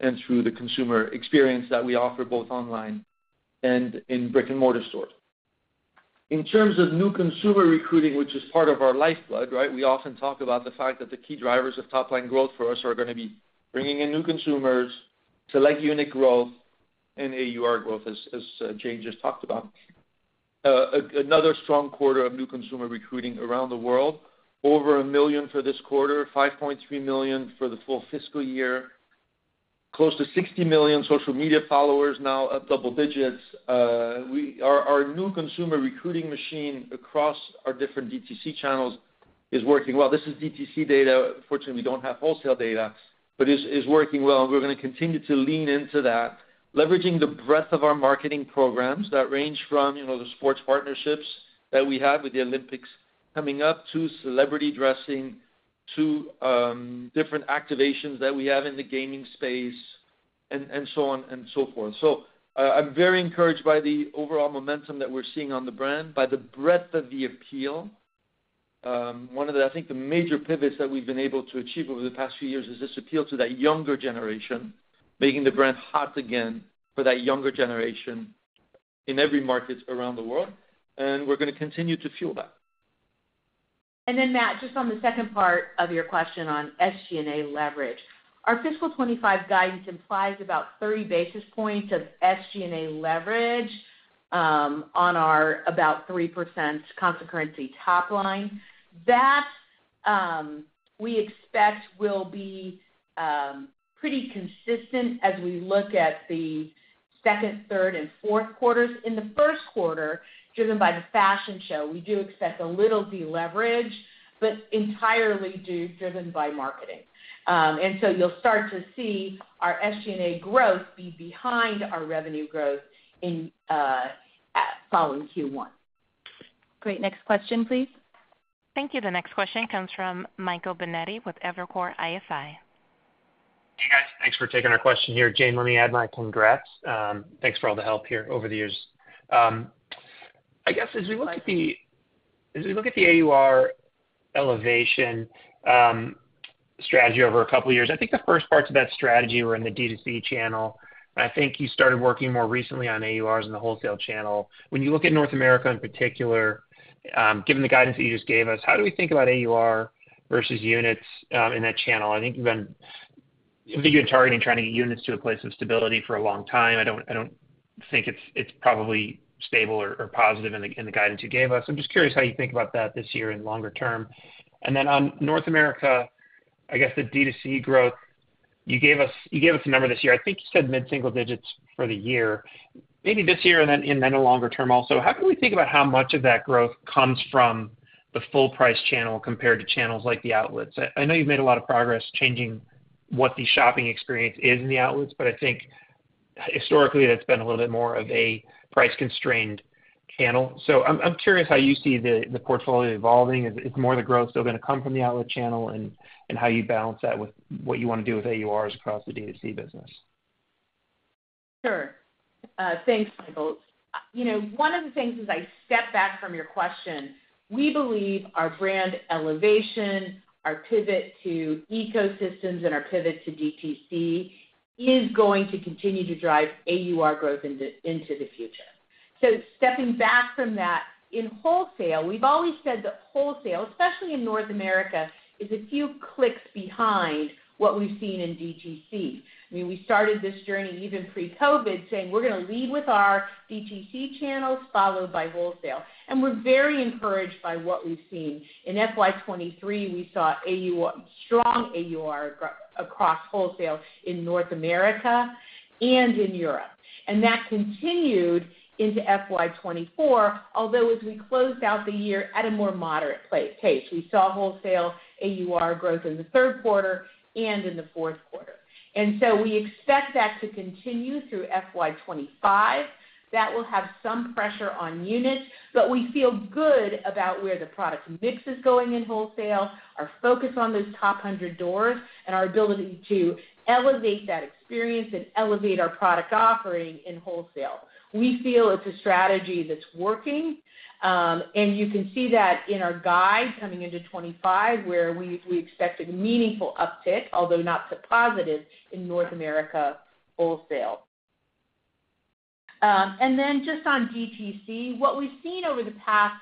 and through the consumer experience that we offer both online and in brick-and-mortar stores. In terms of new consumer recruiting, which is part of our lifeblood, right? We often talk about the fact that the key drivers of top-line growth for us are gonna be bringing in new consumers to like unit growth and AUR growth, as Jane just talked about. Another strong quarter of new consumer recruiting around the world. Over 1 million for this quarter, 5.3 million for the full fiscal year. Close to 60 million social media followers now at double digits. We, our, our new consumer recruiting machine across our different DTC channels is working well. This is DTC data. Unfortunately, we don't have wholesale data, but it's, it's working well, and we're gonna continue to lean into that, leveraging the breadth of our marketing programs that range from, you know, the sports partnerships that we have with the Olympics coming up, to celebrity dressing, to different activations that we have in the gaming space, and, and so on and so forth. So, I'm very encouraged by the overall momentum that we're seeing on the brand, by the breadth of the appeal. One of the, I think, the major pivots that we've been able to achieve over the past few years is this appeal to that younger generation, making the brand hot again for that younger generation in every market around the world, and we're gonna continue to fuel that. And then, Matt, just on the second part of your question on SG&A leverage. Our fiscal 2025 guidance implies about 30 basis points of SG&A leverage, on our about 3% constant currency top line. That, we expect will be, pretty consistent as we look at the second, third, and fourth quarters. In the first quarter, driven by the fashion show, we do expect a little deleverage, but entirely due-- driven by marketing. And so you'll start to see our SG&A growth be behind our revenue growth in, following Q1. Great. Next question, please. Thank you. The next question comes from Michael Binetti with Evercore ISI. Hey, guys. Thanks for taking our question here. Jane, let me add my congrats. Thanks for all the help here over the years. I guess, as we look at the, as we look at the AUR elevation, strategy over a couple of years, I think the first parts of that strategy were in the D2C channel, and I think you started working more recently on AURs in the wholesale channel. When you look at North America, in particular, given the guidance that you just gave us, how do we think about AUR versus units, in that channel? I think you've been targeting trying to get units to a place of stability for a long time. I don't think it's probably stable or positive in the guidance you gave us. I'm just curious how you think about that this year and longer term. And then on North America, I guess, the DTC growth, you gave us, you gave us a number this year. I think you said mid-single digits for the year. Maybe this year and then, and then the longer term also, how can we think about how much of that growth comes from the full price channel compared to channels like the outlets? I, I know you've made a lot of progress changing what the shopping experience is in the outlets, but I think historically, that's been a little bit more of a price-constrained channel. So I'm, I'm curious how you see the, the portfolio evolving. Is, is more of the growth still gonna come from the outlet channel, and, and how you balance that with what you wanna do with AURs across the DTC business? Sure. Thanks, Michael. You know, one of the things, as I step back from your question, we believe our brand elevation, our pivot to ecosystems, and our pivot to DTC is going to continue to drive AUR growth into the future. So stepping back from that, in wholesale, we've always said that wholesale, especially in North America, is a few clicks behind what we've seen in DTC. I mean, we started this journey even pre-COVID, saying: We're gonna lead with our DTC channels, followed by wholesale. And we're very encouraged by what we've seen. In FY 23, we saw strong AUR growth across wholesale in North America and in Europe, and that continued into FY 24, although as we closed out the year at a more moderate pace. We saw wholesale AUR growth in the third quarter and in the fourth quarter. So we expect that to continue through FY 25. That will have some pressure on units, but we feel good about where the product mix is going in wholesale, our focus on those top 100 doors, and our ability to elevate that experience and elevate our product offering in wholesale. We feel it's a strategy that's working, and you can see that in our guide coming into 25, where we expect a meaningful uptick, although not so positive, in North America wholesale. And then just on DTC, what we've seen over the past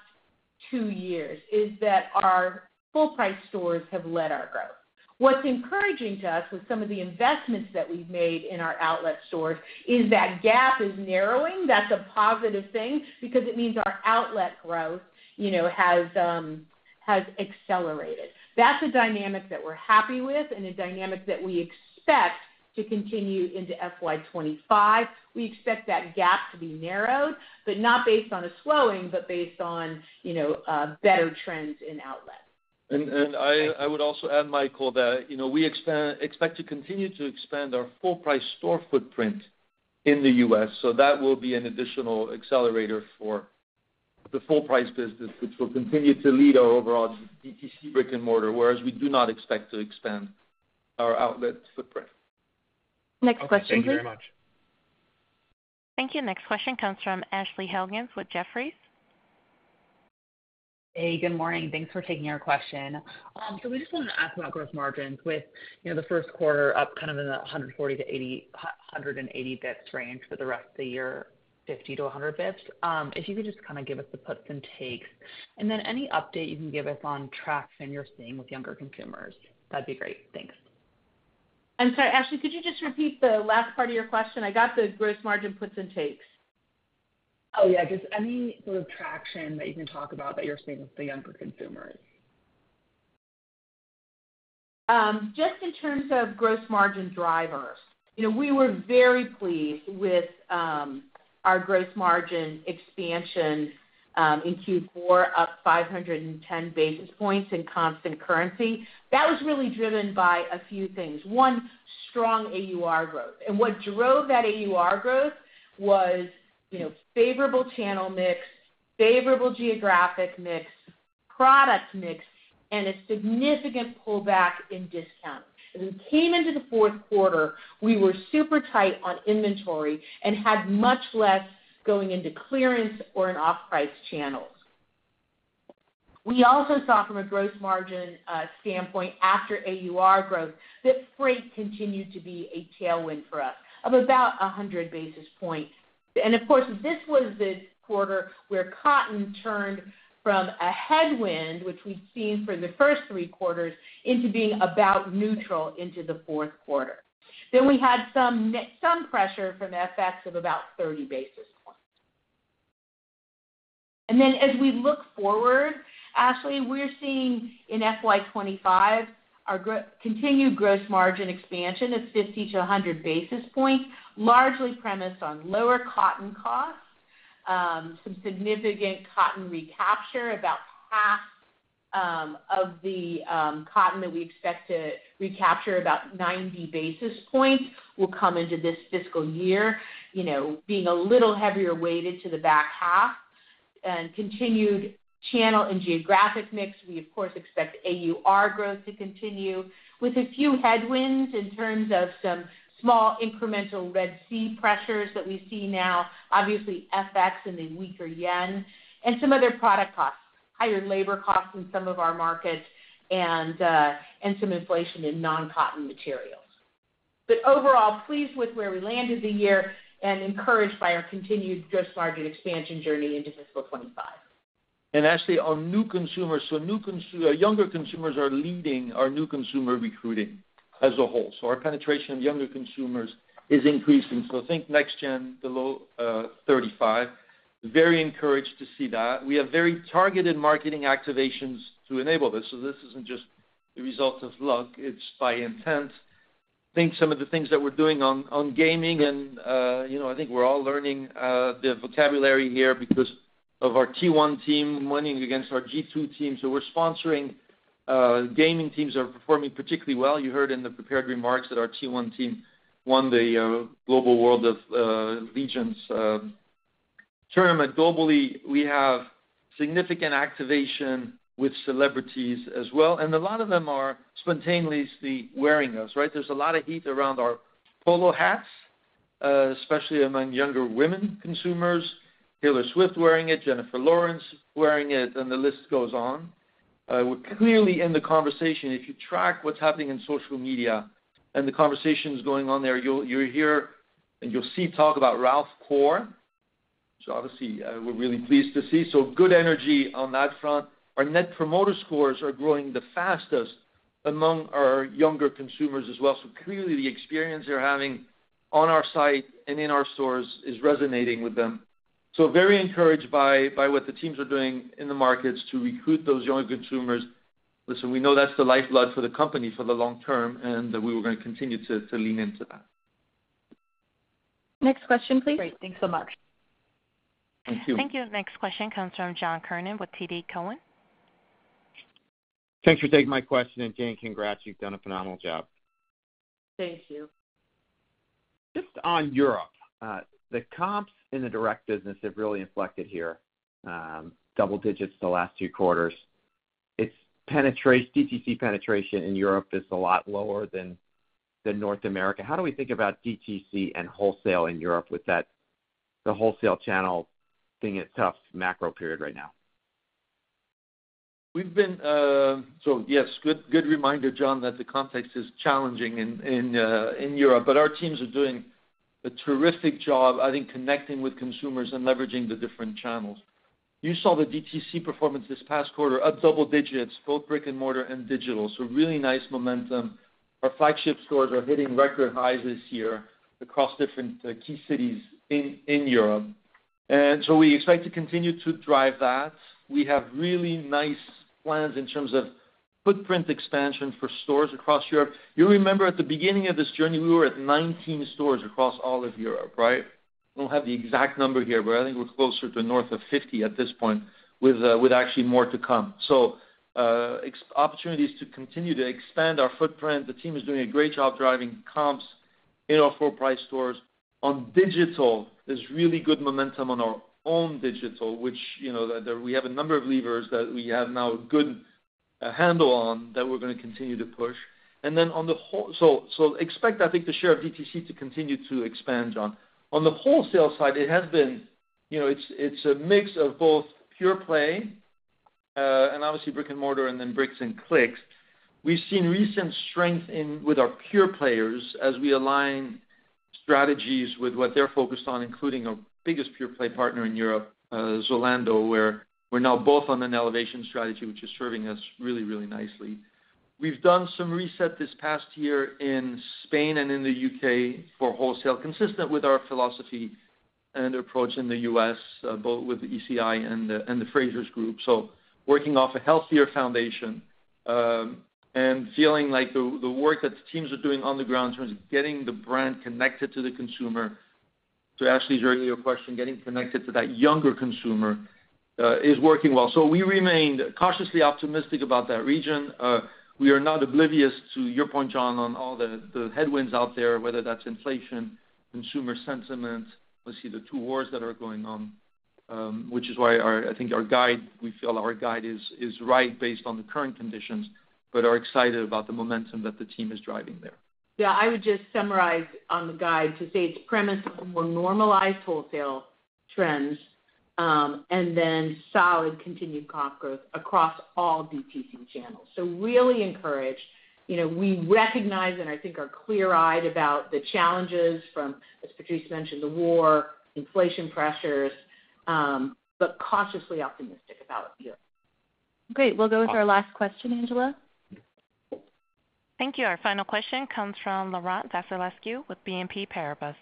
2 years is that our full price stores have led our growth. What's encouraging to us with some of the investments that we've made in our outlet stores is that gap is narrowing. That's a positive thing because it means our outlet growth, you know, has accelerated. That's a dynamic that we're happy with and a dynamic that we expect to continue into FY 25. We expect that gap to be narrowed, but not based on a slowing, but based on, you know, better trends in outlet. And I- Right.... I would also add, Michael, that, you know, we expect to continue to expand our full price store footprint in the U.S., so that will be an additional accelerator for the full price business, which will continue to lead our overall DTC brick-and-mortar, whereas we do not expect to expand our outlet footprint. Next question, please. Okay. Thank you very much. Thank you. Next question comes from Ashley Helgans with Jefferies. Hey, good morning. Thanks for taking our question. So we just wanted to ask about gross margins with, you know, the first quarter up kind of in the 140-180 basis points range for the rest of the year, 50-100 basis points. If you could just kind of give us the puts and takes, and then any update you can give us on traction you're seeing with younger consumers, that'd be great. Thanks. I'm sorry, Ashley, could you just repeat the last part of your question? I got the gross margin puts and takes. Oh, yeah. Just any sort of traction that you can talk about that you're seeing with the younger consumers?... just in terms of gross margin drivers, you know, we were very pleased with our gross margin expansion in Q4, up 510 basis points in constant currency. That was really driven by a few things. One, strong AUR growth. And what drove that AUR growth was, you know, favorable channel mix, favorable geographic mix, product mix, and a significant pullback in discount. As we came into the fourth quarter, we were super tight on inventory and had much less going into clearance or in off-price channels. We also saw from a gross margin standpoint, after AUR growth, that freight continued to be a tailwind for us of about 100 basis points. And of course, this was the quarter where cotton turned from a headwind, which we'd seen for the first three quarters, into being about neutral into the fourth quarter. Then we had some pressure from FX of about 30 basis points. Then as we look forward, Ashley, we're seeing in FY 25, our continued gross margin expansion of 50-100 basis points, largely premised on lower cotton costs, some significant cotton recapture. About half of the cotton that we expect to recapture, about 90 basis points, will come into this fiscal year, you know, being a little heavier weighted to the back half, and continued channel and geographic mix. We, of course, expect AUR growth to continue with a few headwinds in terms of some small incremental Red Sea pressures that we see now, obviously, FX and the weaker yen, and some other product costs, higher labor costs in some of our markets, and some inflation in non-cotton materials. But overall, pleased with where we landed the year and encouraged by our continued gross margin expansion journey into fiscal 25. Ashley, our new consumers, our younger consumers are leading our new consumer recruiting as a whole. Our penetration of younger consumers is increasing. Think next gen, below 35. Very encouraged to see that. We have very targeted marketing activations to enable this, so this isn't just the result of luck, it's by intent. I think some of the things that we're doing on gaming and you know, I think we're all learning the vocabulary here because of our T1 team winning against our G2 team. So we're sponsoring gaming teams that are performing particularly well. You heard in the prepared remarks that our T1 team won the global world of League of Legends tournament. Globally, we have significant activation with celebrities as well, and a lot of them are spontaneously wearing us, right? There's a lot of heat around our polo hats, especially among younger women consumers. Taylor Swift wearing it, Jennifer Lawrence wearing it, and the list goes on. We're clearly in the conversation. If you track what's happening in social media and the conversations going on there, you'll hear and you'll see talk about Ralphcore, which obviously we're really pleased to see. So good energy on that front. Our net promoter scores are growing the fastest among our younger consumers as well. So clearly, the experience they're having on our site and in our stores is resonating with them. So very encouraged by what the teams are doing in the markets to recruit those young consumers. Listen, we know that's the lifeblood for the company for the long term, and we are going to continue to lean into that. Next question, please. Great. Thanks so much. Thank you. Thank you. Next question comes from John Kernan with TD Cowen. Thanks for taking my question, and Jane, congrats. You've done a phenomenal job. Thank you. Just on Europe, the comps in the direct business have really inflected here, double digits the last two quarters. It's DTC penetration in Europe is a lot lower than North America. How do we think about DTC and wholesale in Europe with that, the wholesale channel being a tough macro period right now? So yes, good reminder, John, that the context is challenging in Europe, but our teams are doing a terrific job, I think, connecting with consumers and leveraging the different channels. You saw the DTC performance this past quarter, up double digits, both brick-and-mortar and digital. So really nice momentum. Our flagship stores are hitting record highs this year across different key cities in Europe. And so we expect to continue to drive that. We have really nice plans in terms of footprint expansion for stores across Europe. You remember at the beginning of this journey, we were at 19 stores across all of Europe, right? I don't have the exact number here, but I think we're closer to north of 50 at this point, with actually more to come. So, opportunities to continue to expand our footprint. The team is doing a great job driving comps in our full price stores. On digital, there's really good momentum on our own digital, which, you know, that we have a number of levers that we have now a good handle on, that we're gonna continue to push. And then on the wholesale side, so expect, I think, the share of DTC to continue to expand, John. On the wholesale side, it has been, you know, it's a mix of both pure play and obviously brick-and-mortar, and then bricks and clicks. We've seen recent strength in with our pure players as we align strategies with what they're focused on, including our biggest pure play partner in Europe, Zalando, where we're now both on an elevation strategy, which is serving us really, really nicely. We've done some reset this past year in Spain and in the U.K. for wholesale, consistent with our philosophy and approach in the U.S., both with the ECI and the Frasers Group. So working off a healthier foundation, and feeling like the work that the teams are doing on the ground in terms of getting the brand connected to the consumer, to Ashley, during your question, getting connected to that younger consumer, is working well. So we remained cautiously optimistic about that region. We are not oblivious to your point, John, on all the headwinds out there, whether that's inflation, consumer sentiment. We see the two wars that are going on, which is why our—I think our guide, we feel our guide is, is right based on the current conditions, but are excited about the momentum that the team is driving there. Yeah, I would just summarize on the guide to say it's premised on more normalized wholesale trends, and then solid continued comp growth across all DTC channels. So really encouraged. You know, we recognize, and I think are clear-eyed about the challenges from, as Patrice mentioned, the war, inflation pressures, but cautiously optimistic about the year. Great. We'll go with our last question, Angela. Thank you. Our final question comes from Laurent Vasilescu with BNP Paribas.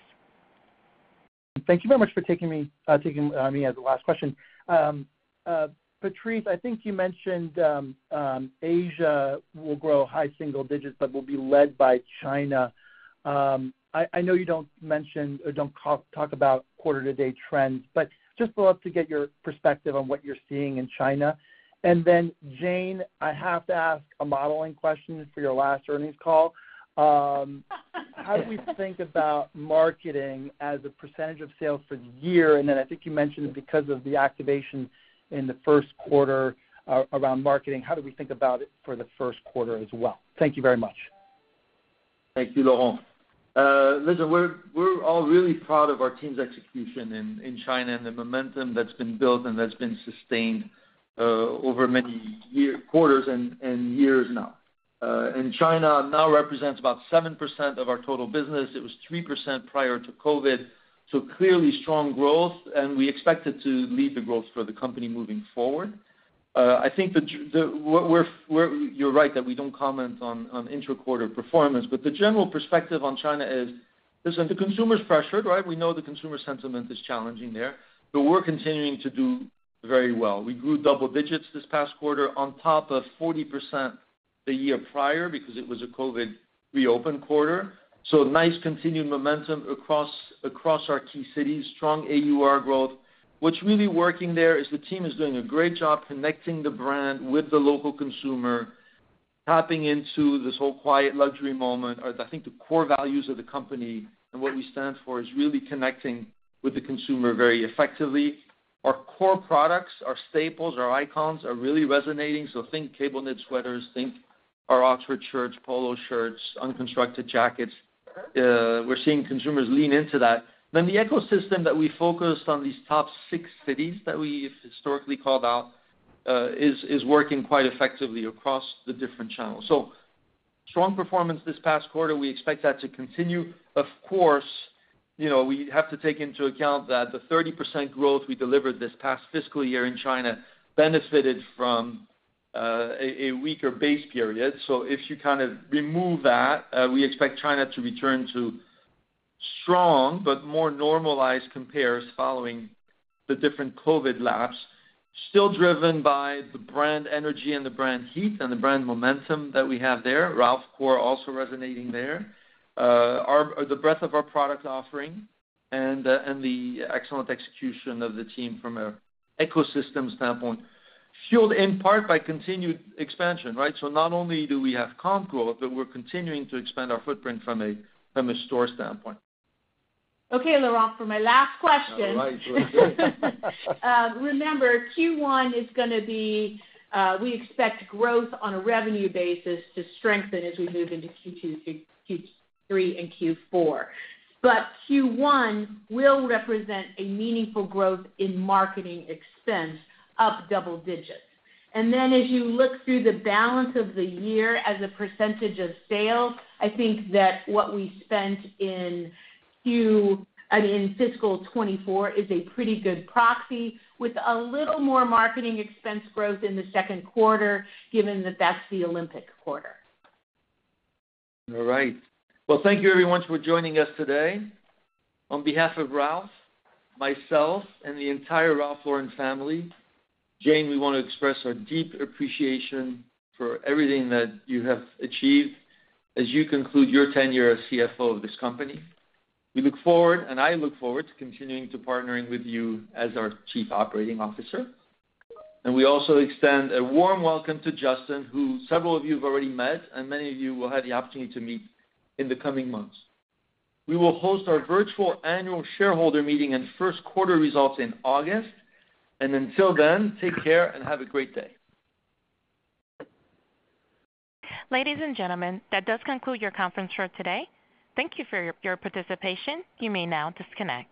Thank you very much for taking my question as the last one. Patrice, I think you mentioned Asia will grow high single digits, but will be led by China. I know you don't mention or don't talk about quarter-to-date trends, but just love to get your perspective on what you're seeing in China. And then, Jane, I have to ask a modeling question for your last earnings call. How do we think about marketing as a % of sales for the year? And then I think you mentioned because of the activation in the first quarter around marketing, how do we think about it for the first quarter as well? Thank you very much. Thank you, Laurent. Listen, we're all really proud of our team's execution in China and the momentum that's been built and that's been sustained over many quarters and years now. And China now represents about 7% of our total business. It was 3% prior to COVID, so clearly strong growth, and we expect it to lead the growth for the company moving forward. I think the-- We're-- you're right that we don't comment on intra-quarter performance, but the general perspective on China is, listen, the consumer is pressured, right? We know the consumer sentiment is challenging there, but we're continuing to do very well. We grew double digits this past quarter on top of 40% the year prior, because it was a COVID reopen quarter. So nice continued momentum across our key cities, strong AUR growth. What's really working there is the team is doing a great job connecting the brand with the local consumer, tapping into this whole quiet luxury moment. I think the core values of the company and what we stand for is really connecting with the consumer very effectively. Our core products, our staples, our icons, are really resonating. So think cable knit sweaters, think our Oxford shirts, polo shirts, unconstructed jackets. We're seeing consumers lean into that. Then the ecosystem that we focused on, these top six cities that we've historically called out, is working quite effectively across the different channels. So strong performance this past quarter. We expect that to continue. Of course, you know, we have to take into account that the 30% growth we delivered this past fiscal year in China benefited from a weaker base period. So if you kind of remove that, we expect China to return to strong but more normalized compares following the different COVID lapse, still driven by the brand energy and the brand heat and the brand momentum that we have there. Ralphcore also resonating there. The breadth of our product offering and the excellent execution of the team from an ecosystem standpoint, fueled in part by continued expansion, right? So not only do we have comp growth, but we're continuing to expand our footprint from a store standpoint. Okay, Laurent, for my last question. All right, very good. Remember, Q1 is gonna be, we expect growth on a revenue basis to strengthen as we move into Q2, Q3, and Q4. But Q1 will represent a meaningful growth in marketing expense, up double digits. And then as you look through the balance of the year as a percentage of sales, I think that what we spent, I mean, in fiscal 2024, is a pretty good proxy, with a little more marketing expense growth in the second quarter, given that that's the Olympic quarter. All right. Well, thank you everyone for joining us today. On behalf of Ralph, myself, and the entire Ralph Lauren family, Jane, we want to express our deep appreciation for everything that you have achieved as you conclude your tenure as CFO of this company. We look forward, and I look forward to continuing to partnering with you as our Chief Operating Officer. And we also extend a warm welcome to Justin, who several of you have already met, and many of you will have the opportunity to meet in the coming months. We will host our virtual annual shareholder meeting and first quarter results in August, and until then, take care and have a great day. Ladies and gentlemen, that does conclude your conference for today. Thank you for your, your participation. You may now disconnect.